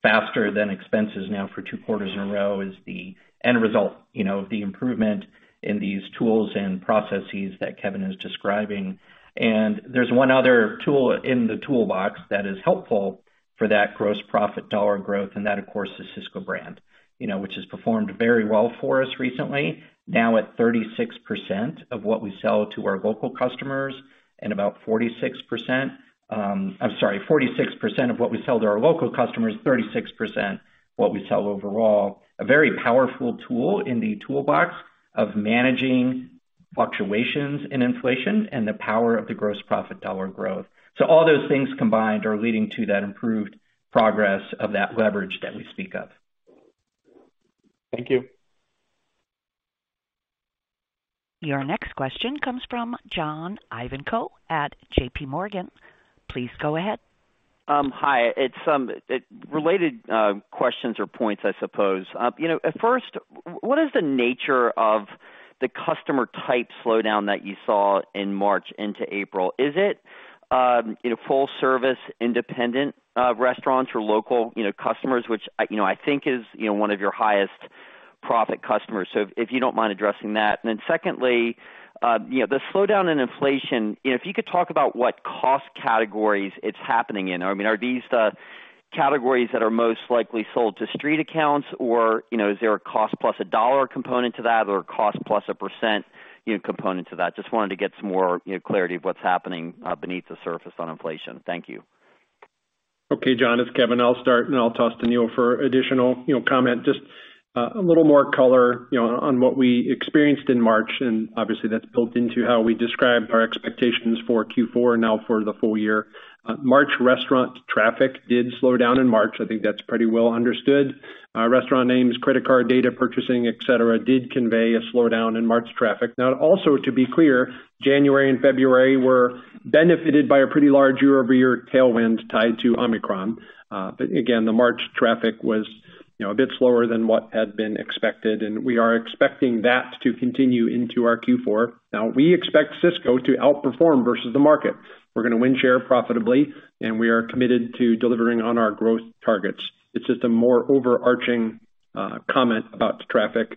E: faster than expenses now for two quarters in a row is the end result, you know, of the improvement in these tools and processes that Kevin is describing. there's one other tool in the toolbox that is helpful for that gross profit dollar growth, and that, of course, is Sysco Brand, you know, which has performed very well for us recently. Now at 36% of what we sell to our local customers and about 46%, I'm sorry, 46% of what we sell to our local customers, 36% what we sell overall. A very powerful tool in the toolbox of managing fluctuations in inflation and the power of the gross profit dollar growth. All those things combined are leading to that improved progress of that leverage that we speak of.
H: Thank you.
A: Your next question comes from John Ivankoe at J.P. Morgan. Please go ahead.
I: Hi. It's related questions or points, I suppose. You know, at first, what is the nature of the customer type slowdown that you saw in March into April? Is it, you know, full service, independent restaurants or local, you know, customers, which I, you know, I think is, you know, one of your highest profit customers. If you don't mind addressing that. Secondly, you know, the slowdown in inflation, you know, if you could talk about what cost categories it's happening in. I mean, are these the categories that are most likely sold to street accounts, or, you know, is there a cost plus a dollar component to that or a cost plus a percent, you know, component to that? Just wanted to get some more, you know, clarity of what's happening beneath the surface on inflation. Thank you.
C: Okay, John, it's Kevin. I'll start. I'll toss to Neil for additional, you know, comment. Just a little more color, you know, on what we experienced in March. Obviously that's built into how we described our expectations for Q4 now for the full year. March restaurant traffic did slow down in March. I think that's pretty well understood. Restaurant names, credit card data, purchasing, et cetera, did convey a slowdown in March traffic. Also to be clear, January and February were benefited by a pretty large year-over-year tailwind tied to Omicron. Again, the March traffic was, you know, a bit slower than what had been expected. We are expecting that to continue into our Q4. We expect Sysco to outperform versus the market. We're gonna win share profitably. We are committed to delivering on our growth targets. It's just a more overarching comment about traffic.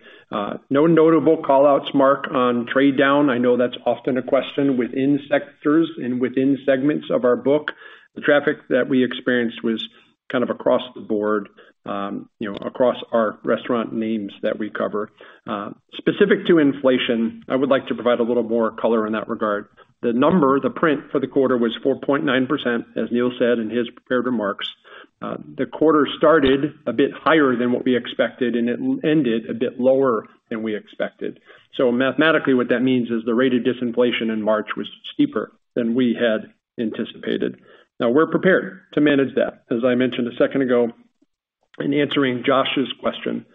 C: No notable callouts, Mark, on trade down. I know that's often a question within sectors and within segments of our book. The traffic that we experienced was kind of across the board, you know, across our restaurant names that we cover. Specific to inflation, I would like to provide a little more color in that regard. The number, the print for the quarter was 4.9%, as Neil said in his prepared remarks. The quarter started a bit higher than what we expected, and it ended a bit lower than we expected. Mathematically, what that means is the rate of disinflation in March was steeper than we had anticipated. We're prepared to manage that, as I mentioned a second ago in answering Josh's question.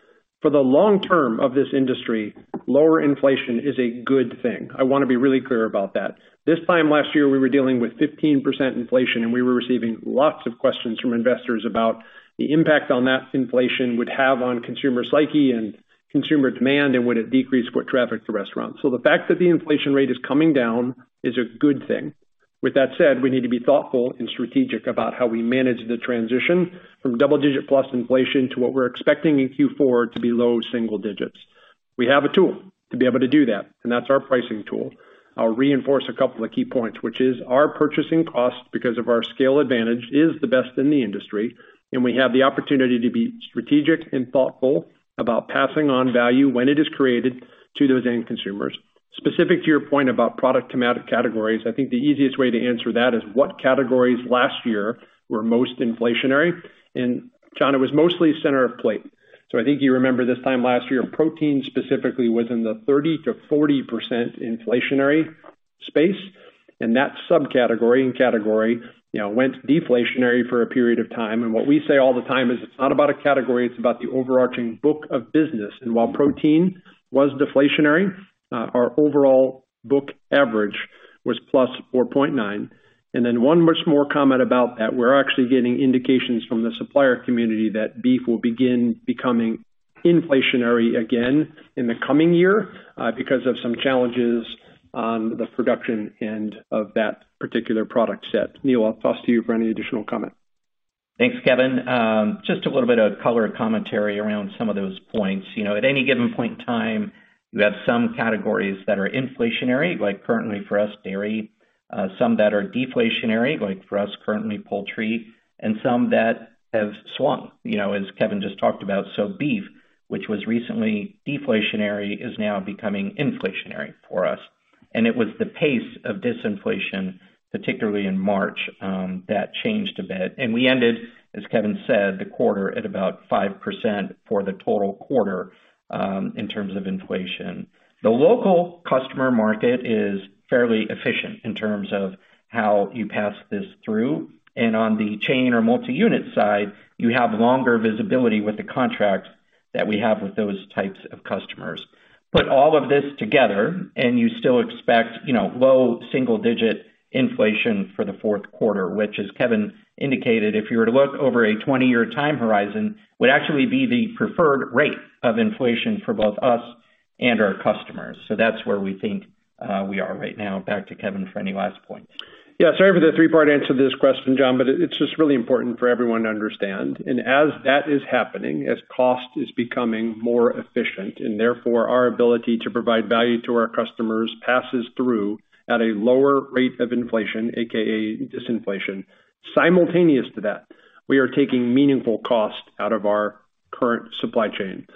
C: For the long term of this industry, lower inflation is a good thing. I wanna be really clear about that. This time last year, we were dealing with 15% inflation, and we were receiving lots of questions from investors about the impact on that inflation would have on consumer psyche and consumer demand, and would it decrease foot traffic to restaurants. The fact that the inflation rate is coming down is a good thing. With that said, we need to be thoughtful and strategic about how we manage the transition from double-digit plus inflation to what we're expecting in Q4 to be low single digits. We have a tool to be able to do that, and that's our pricing tool. I'll reinforce a couple of key points, which is our purchasing cost because of our scale advantage is the best in the industry, and we have the opportunity to be strategic and thoughtful about passing on value when it is created to those end consumers. Specific to your point about product thematic categories, I think the easiest way to answer that is what categories last year were most inflationary. John, it was mostly center of plate. I think you remember this time last year, protein specifically was in the 30%-40% inflationary space. That subcategory and category, you know, went deflationary for a period of time. What we say all the time is, it's not about a category, it's about the overarching book of business. While protein was deflationary, our overall book average was +4.9%. One much more comment about that. We're actually getting indications from the supplier community that beef will begin becoming inflationary again in the coming year, because of some challenges on the production end of that particular product set. Neil, I'll toss to you for any additional comment.
E: Thanks, Kevin. just a little bit of color commentary around some of those points. You know, at any given point in time, you have some categories that are inflationary, like currently for us, dairy, some that are deflationary, like for us currently poultry, and some that have swung. You know, as Kevin just talked about. Beef, which was recently deflationary, is now becoming inflationary for us. It was the pace of disinflation, particularly in March, that changed a bit. We ended, as Kevin said, the quarter at about 5% for the total quarter, in terms of inflation. The local customer market is fairly efficient in terms of how you pass this through. On the chain or multi-unit side, you have longer visibility with the contracts that we have with those types of customers. Put all of this together and you still expect, you know, low single digit inflation for the fourth quarter, which as Kevin indicated, if you were to look over a 20-year time horizon, would actually be the preferred rate of inflation for both us and our customers. That's where we think we are right now. Back to Kevin for any last points.
C: Yeah, sorry for the three-part answer to this question, John, but it's just really important for everyone to understand. As that is happening, as cost is becoming more efficient, and therefore our ability to provide value to our customers passes through at a lower rate of inflation, AKA disinflation. Simultaneous to that, we are taking meaningful cost out of our current supply chain.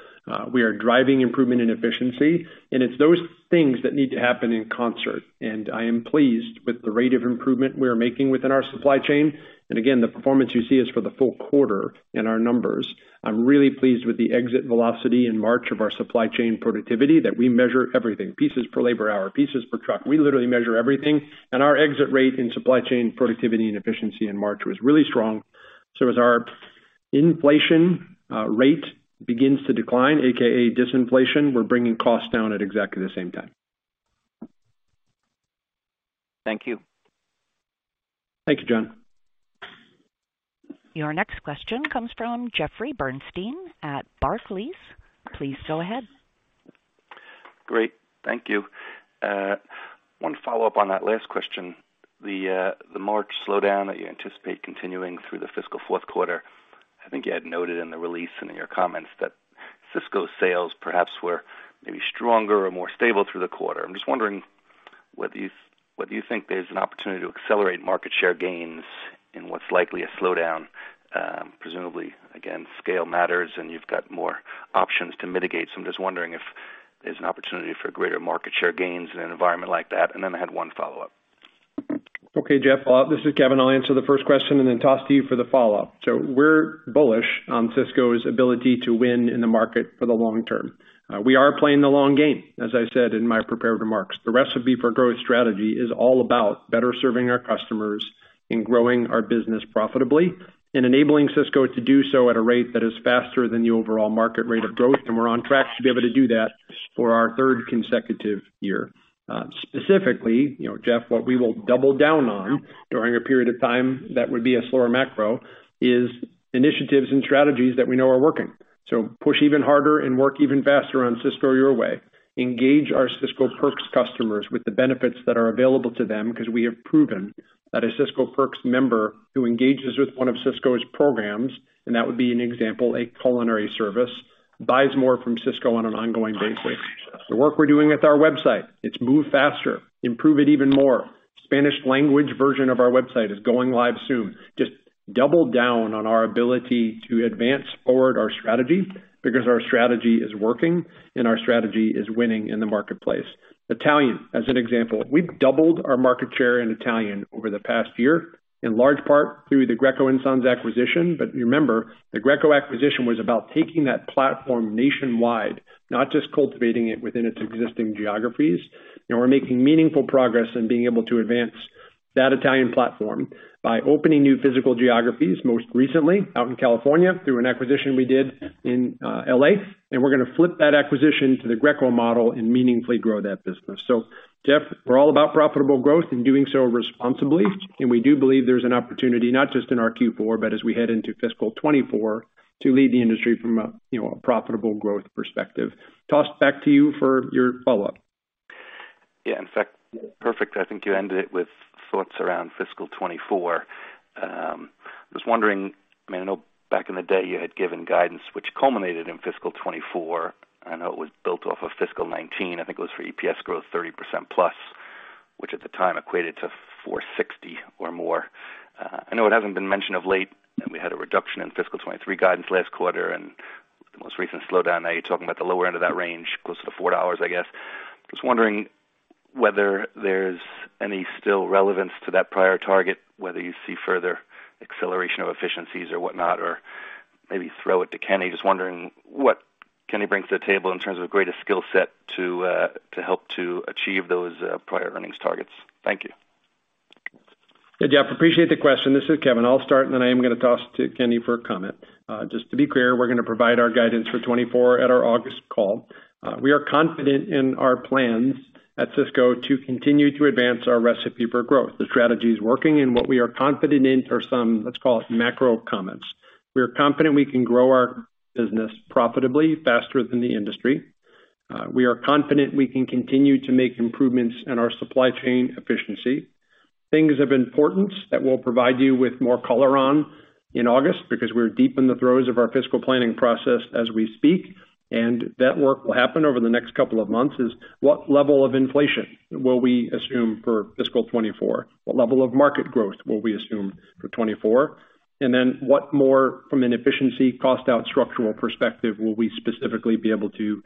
C: We are driving improvement in efficiency, and it's those things that need to happen in concert. I am pleased with the rate of improvement we are making within our supply chain. Again, the performance you see is for the full quarter in our numbers. I'm really pleased with the exit velocity in March of our supply chain productivity that we measure everything, pieces per labor hour, pieces per truck. We literally measure everything. Our exit rate in supply chain productivity and efficiency in March was really strong. As our inflation rate begins to decline, AKA disinflation, we're bringing costs down at exactly the same time.
I: Thank you.
C: Thank you, John.
A: Your next question comes from Jeffrey Bernstein at Barclays. Please go ahead.
J: Great. Thank you. One follow-up on that last question. The March slowdown that you anticipate continuing through the fiscal fourth quarter, I think you had noted in the release and in your comments that Sysco sales perhaps were maybe stronger or more stable through the quarter. I'm just wondering whether you think there's an opportunity to accelerate market share gains in what's likely a slowdown? Presumably, again, scale matters and you've got more options to mitigate. I'm just wondering if there's an opportunity for greater market share gains in an environment like that? Then I had one follow-up.
C: Okay, Jeff, this is Kevin. I'll answer the first question and then toss to you for the follow-up. We're bullish on Sysco's ability to win in the market for the long term. We are playing the long game, as I said in my prepared remarks. The Recipe for Growth strategy is all about better serving our customers and growing our business profitably and enabling Sysco to do so at a rate that is faster than the overall market rate of growth. We're on track to be able to do that for our third consecutive year. Specifically, you know, Jeff, what we will double down on during a period of time that would be a slower macro is initiatives and strategies that we know are working. Push even harder and work even faster on Sysco Your Way, engage our Sysco Perks customers with the benefits that are available to them because we have proven that a Sysco Perks member who engages with one of Sysco's programs, and that would be an example, a culinary service buys more from Sysco on an ongoing basis. The work we're doing with our website, it's moved faster, improve it even more. Spanish language version of our website is going live soon. Just double down on our ability to advance forward our strategy because our strategy is working and our strategy is winning in the marketplace. Italian, as an example, we've doubled our market share in Italian over the past year, in large part through the Greco and Sons acquisition. Remember, the Greco acquisition was about taking that platform nationwide, not just cultivating it within its existing geographies. We're making meaningful progress in being able to advance that Italian platform by opening new physical geographies, most recently out in California through an acquisition we did in L.A. We're gonna flip that acquisition to the Greco model and meaningfully grow that business. Jeff, we're all about profitable growth and doing so responsibly. We do believe there's an opportunity not just in our Q4, but as we head into fiscal 2024 to lead the industry from a, you know, a profitable growth perspective. Toss back to you for your follow-up.
J: Yeah. In fact, perfect. I think you ended it with thoughts around fiscal 2024. I was wondering, I mean, I know back in the day you had given guidance which culminated in fiscal 2024. I know it was built off of fiscal 2019. I think it was for EPS growth 30% plus, which at the time equated to $4.60 or more. I know it hasn't been mentioned of late, and we had a reduction in fiscal 2023 guidance last quarter. The most recent slowdown, now you're talking about the lower end of that range, close to $4, I guess. Just wondering whether there's any still relevance to that prior target, whether you see further acceleration of efficiencies or whatnot, or maybe throw it to Kenny. Just wondering what Kenny brings to the table in terms of greatest skill set to help to achieve those prior earnings targets. Thank you.
C: Yeah, Jeff, appreciate the question. This is Kevin. I'll start and then I am gonna toss to Kenny for a comment. Just to be clear, we're gonna provide our guidance for 24 at our August call. We are confident in our plans at Sysco to continue to advance our Recipe for Growth. The strategy is working and what we are confident in are some, let's call it macro comments. We are confident we can grow our business profitably faster than the industry. We are confident we can continue to make improvements in our supply chain efficiency. Things of importance that we'll provide you with more color on in August, because we're deep in the throes of our fiscal planning process as we speak, and that work will happen over the next couple of months, is what level of inflation will we assume for fiscal 2024? What level of market growth will we assume for 2024? What more from an efficiency cost out structural perspective will we specifically be able to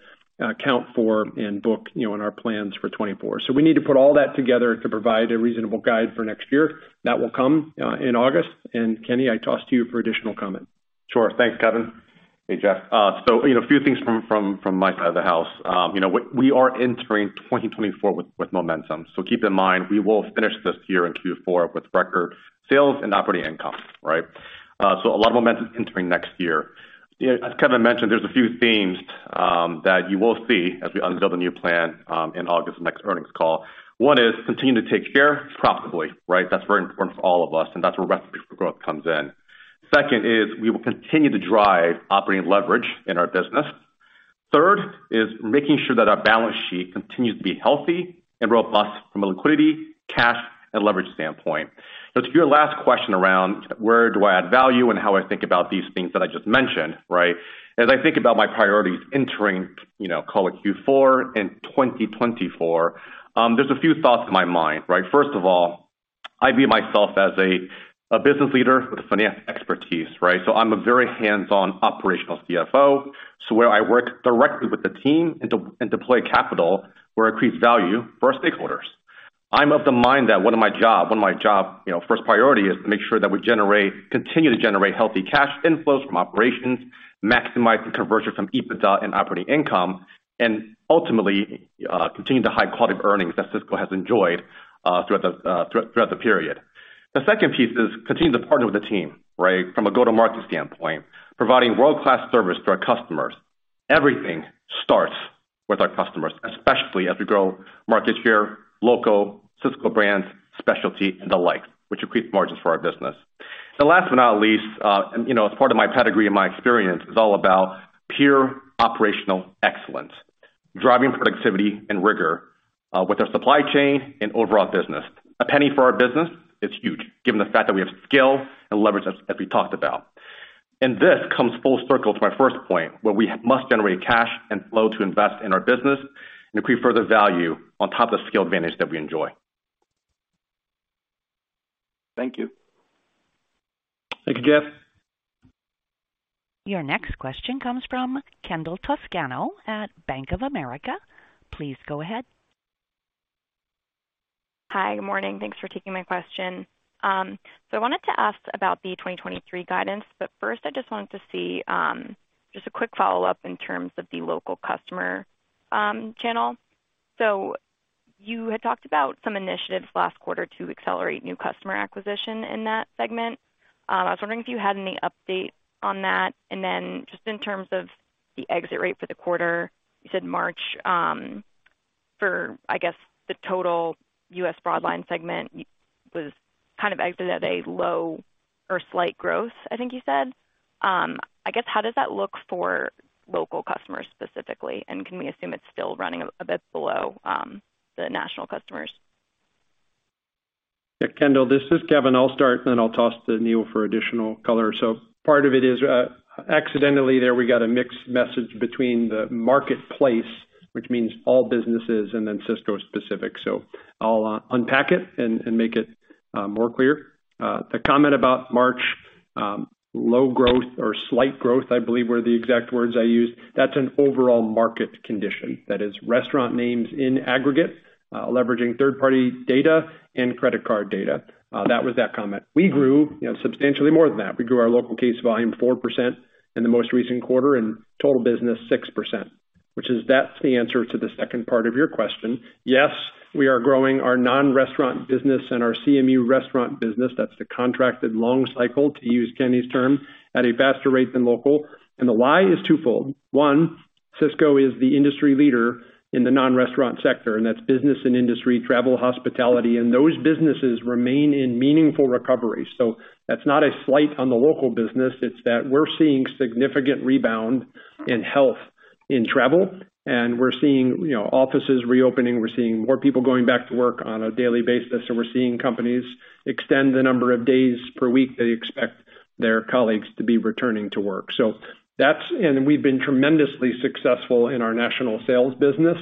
C: count for and book, you know, in our plans for 2024? We need to put all that together to provide a reasonable guide for next year. That will come in August. Kenny, I toss to you for additional comment.
D: Sure. Thanks, Kevin. Hey, Jeff. you know, a few things from my side of the house. you know what? We are entering 2024 with momentum. Keep in mind, we will finish this year in Q4 with record sales and operating income, right? A lot of momentum entering next year. You know, as Kevin mentioned, there's a few themes that you will see as we unveil the new plan in August, next earnings call. One is continue to take share profitably, right? That's very important for all of us, and that's where Recipe for Growth comes in. Second is we will continue to drive operating leverage in our business. Third is making sure that our balance sheet continues to be healthy and robust from a liquidity, cash, and leverage standpoint. To your last question around where do I add value and how I think about these things that I just mentioned, right? As I think about my priorities entering, you know, call it Q4 in 2024, there's a few thoughts in my mind, right? First of all, I view myself as a business leader with financial expertise, right? I'm a very hands-on operational CFO. Where I work directly with the team and deploy capital where it creates value for our stakeholders. I'm of the mind that one of my job, you know, first priority is to make sure that we continue to generate healthy cash inflows from operations, maximize the conversion from EBITDA and operating income, and ultimately, continue the high quality of earnings that Sysco has enjoyed throughout the period. The second piece is continue to partner with the team, right? From a go-to-market standpoint, providing world-class service to our customers. Everything starts with our customers, especially as we grow market share, local Sysco Brand, specialty, and the like, which increase margins for our business. The last but not least, and you know, as part of my pedigree and my experience is all about pure operational excellence. Driving productivity and rigor with our supply chain and overall business. A penny for our business is huge given the fact that we have scale and leverage as we talked about. This comes full circle to my first point, where we must generate cash and flow to invest in our business and create further value on top of the scale advantage that we enjoy.
J: Thank you.
C: Thank you, Jeff.
A: Your next question comes from Kendall Toscano at Bank of America. Please go ahead.
K: Hi. Good morning. Thanks for taking my question. I wanted to ask about the 2023 guidance, but first, I just wanted to see, just a quick follow-up in terms of the local customer channel. You had talked about some initiatives last quarter to accelerate new customer acquisition in that segment. I was wondering if you had any update on that. Just in terms of the exit rate for the quarter, you said March, for, I guess, the total U.S. Broadline segment was kind of exited at a low or slight growth, I think you said. I guess, how does that look for local customers specifically? Can we assume it's still running a bit below the national customers?
C: Kendall, this is Kevin. I'll start, and then I'll toss to Neil for additional color. Part of it is, accidentally there, we got a mixed message between the marketplace, which means all businesses and then Sysco specific. I'll unpack it and make it more clear. The comment about March, low growth or slight growth, I believe were the exact words I used. That's an overall market condition. That is restaurant names in aggregate, leveraging third-party data and credit card data. That was that comment. We grew, you know, substantially more than that. We grew our local case volume 4% in the most recent quarter, and total business 6%, which is that's the answer to the second part of your question. Yes, we are growing our non-restaurant business and our CMU restaurant business. That's the contracted long cycle, to use Kenny's term, at a faster rate than local. The why is twofold. 1, Sysco is the industry leader in the non-restaurant sector, and that's business and industry, travel, hospitality, and those businesses remain in meaningful recovery. That's not a slight on the local business, it's that we're seeing significant rebound in health in travel, and we're seeing, you know, offices reopening. We're seeing more people going back to work on a daily basis, and we're seeing companies extend the number of days per week they expect their colleagues to be returning to work. We've been tremendously successful in our national sales business.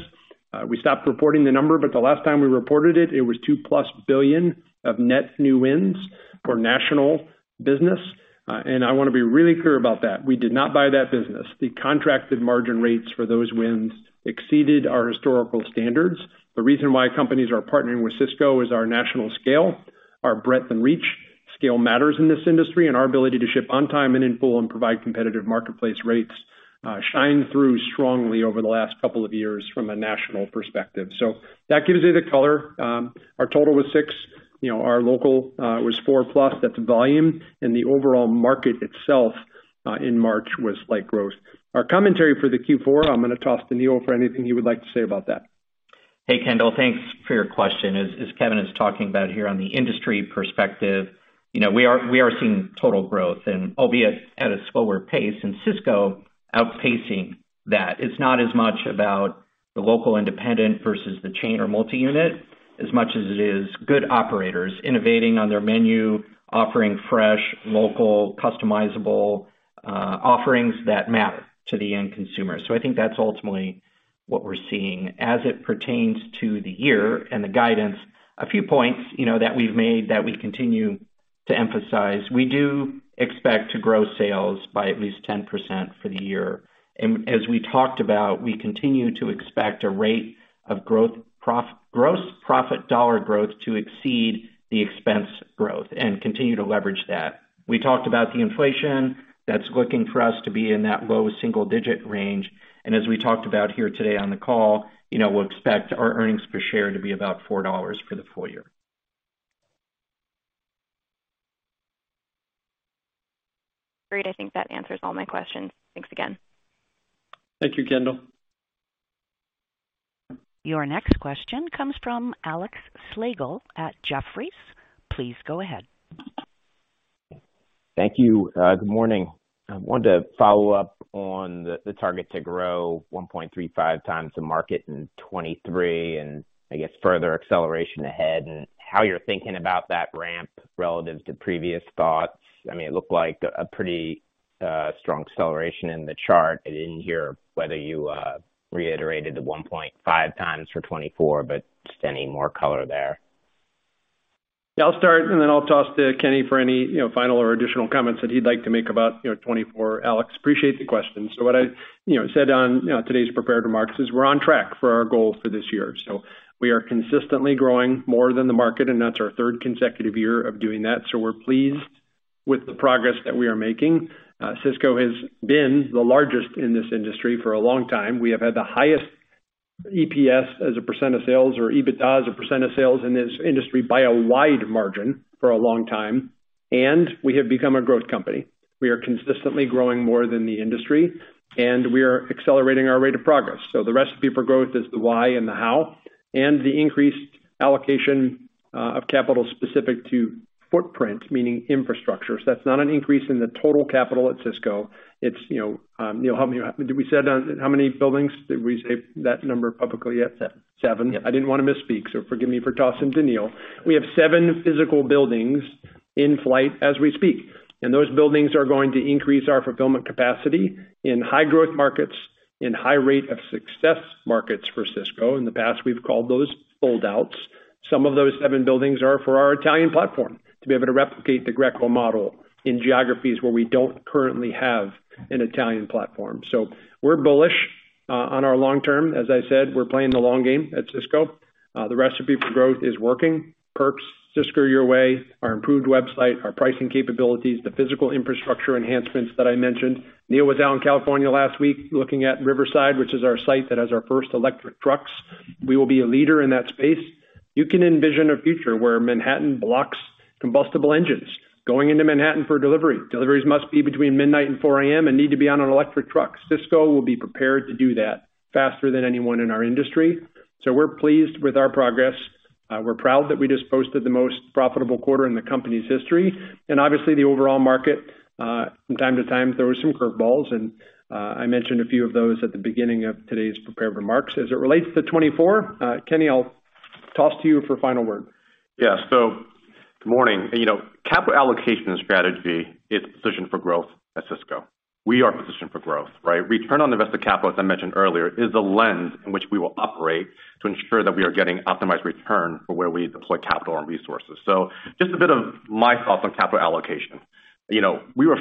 C: We stopped reporting the number, but the last time we reported it was $2+ billion of net new wins for national business. I wanna be really clear about that. We did not buy that business. The contracted margin rates for those wins exceeded our historical standards. The reason why companies are partnering with Sysco is our national scale, our breadth and reach. Scale matters in this industry, and our ability to ship on time and in full and provide competitive marketplace rates, shined through strongly over the last couple of years from a national perspective. That gives you the color. Our total was six. You know, our local, was 4+. That's volume. The overall market itself, in March was slight growth. Our commentary for the Q4, I'm gonna toss to Neil for anything he would like to say about that.
E: Hey, Kendall. Thanks for your question. As Kevin is talking about here on the industry perspective, you know, we are seeing total growth and albeit at a slower pace, and Sysco outpacing that. The local independent versus the chain or multi-unit, as much as it is good operators innovating on their menu, offering fresh, local, customizable offerings that matter to the end consumer. I think that's ultimately what we're seeing. As it pertains to the year and the guidance, a few points, you know, that we've made that we continue to emphasize. We do expect to grow sales by at least 10% for the year. As we talked about, we continue to expect a rate of gross profit dollar growth to exceed the expense growth and continue to leverage that. We talked about the inflation that's looking for us to be in that low single digit range. As we talked about here today on the call, you know, we'll expect our earnings per share to be about $4 for the full year.
K: Great. I think that answers all my questions. Thanks again.
C: Thank you, Kendall.
A: Your next question comes from Alex Slagle at Jefferies. Please go ahead.
L: Thank you. Good morning. I wanted to follow up on the target to grow 1.35 times the market in 2023 and I guess further acceleration ahead and how you're thinking about that ramp relative to previous thoughts. I mean, it looked like a pretty strong acceleration in the chart. I didn't hear whether you reiterated the 1.5 times for 2024, but just any more color there.
C: I'll start, and then I'll toss to Kenny for any, you know, final or additional comments that he'd like to make about, you know, 2024. Alex, appreciate the question. What I, you know, said on, you know, today's prepared remarks is we're on track for our goals for this year. We are consistently growing more than the market, and that's our third consecutive year of doing that. We're pleased with the progress that we are making. Sysco has been the largest in this industry for a long time. We have had the highest EPS as a % of sales or EBITDA as a % of sales in this industry by a wide margin for a long time. We have become a growth company. We are consistently growing more than the industry, and we are accelerating our rate of progress. The Recipe for Growth is the why and the how and the increased allocation of capital specific to footprint, meaning infrastructure. That's not an increase in the total capital at Sysco. It's, you know, Neil, help me. Did we said on how many buildings? Did we say that number publicly yet?
E: Seven.
C: Seven. I didn't wanna misspeak, forgive me for tossing to Neil. We have seven physical buildings in flight as we speak, and those buildings are going to increase our fulfillment capacity in high growth markets, in high rate of success markets for Sysco. In the past, we've called those fold outs. Some of those seven buildings are for our Italian platform to be able to replicate the Greco model in geographies where we don't currently have an Italian platform. We're bullish on our long term. As I said, we're playing the long game at Sysco. The Recipe for Growth is working. Perks, Sysco Your Way, our improved website, our pricing capabilities, the physical infrastructure enhancements that I mentioned. Neil was out in California last week looking at Riverside, which is our site that has our first electric trucks. We will be a leader in that space. You can envision a future where Manhattan blocks combustible engines. Going into Manhattan for delivery, deliveries must be between midnight and 4:00 a.m. and need to be on an electric truck. Sysco will be prepared to do that faster than anyone in our industry. We're pleased with our progress. We're proud that we just posted the most profitable quarter in the company's history. Obviously, the overall market, from time to time, there was some curveballs, and I mentioned a few of those at the beginning of today's prepared remarks. As it relates to 24, Kenny, I'll toss to you for a final word.
D: Good morning. You know, capital allocation strategy is positioned for growth at Sysco. We are positioned for growth, right? Return on invested capital, as I mentioned earlier, is the lens in which we will operate to ensure that we are getting optimized return for where we deploy capital and resources. Just a bit of my thoughts on capital allocation. You know, we will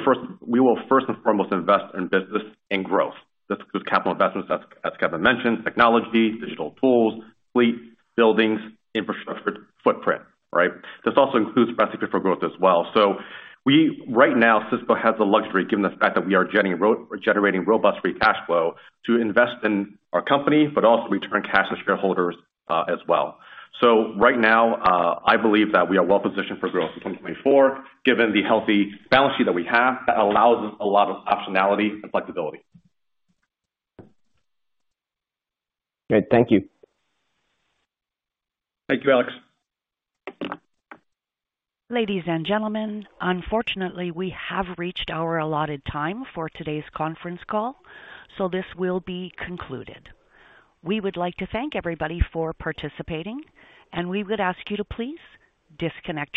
D: first and foremost invest in business and growth. This includes capital investments as Kevin mentioned, technology, digital tools, fleet, buildings, infrastructure, footprint, right? This also includes Recipe for Growth as well. Right now, Sysco has the luxury, given the fact that we are generating robust free cash flow, to invest in our company, but also return cash to shareholders as well. Right now, I believe that we are well positioned for growth in 2024, given the healthy balance sheet that we have. That allows us a lot of optionality and flexibility.
L: Great. Thank you.
C: Thank you, Alex.
A: Ladies and gentlemen, unfortunately, we have reached our allotted time for today's conference call, so this will be concluded. We would like to thank everybody for participating, and we would ask you to please disconnect your lines.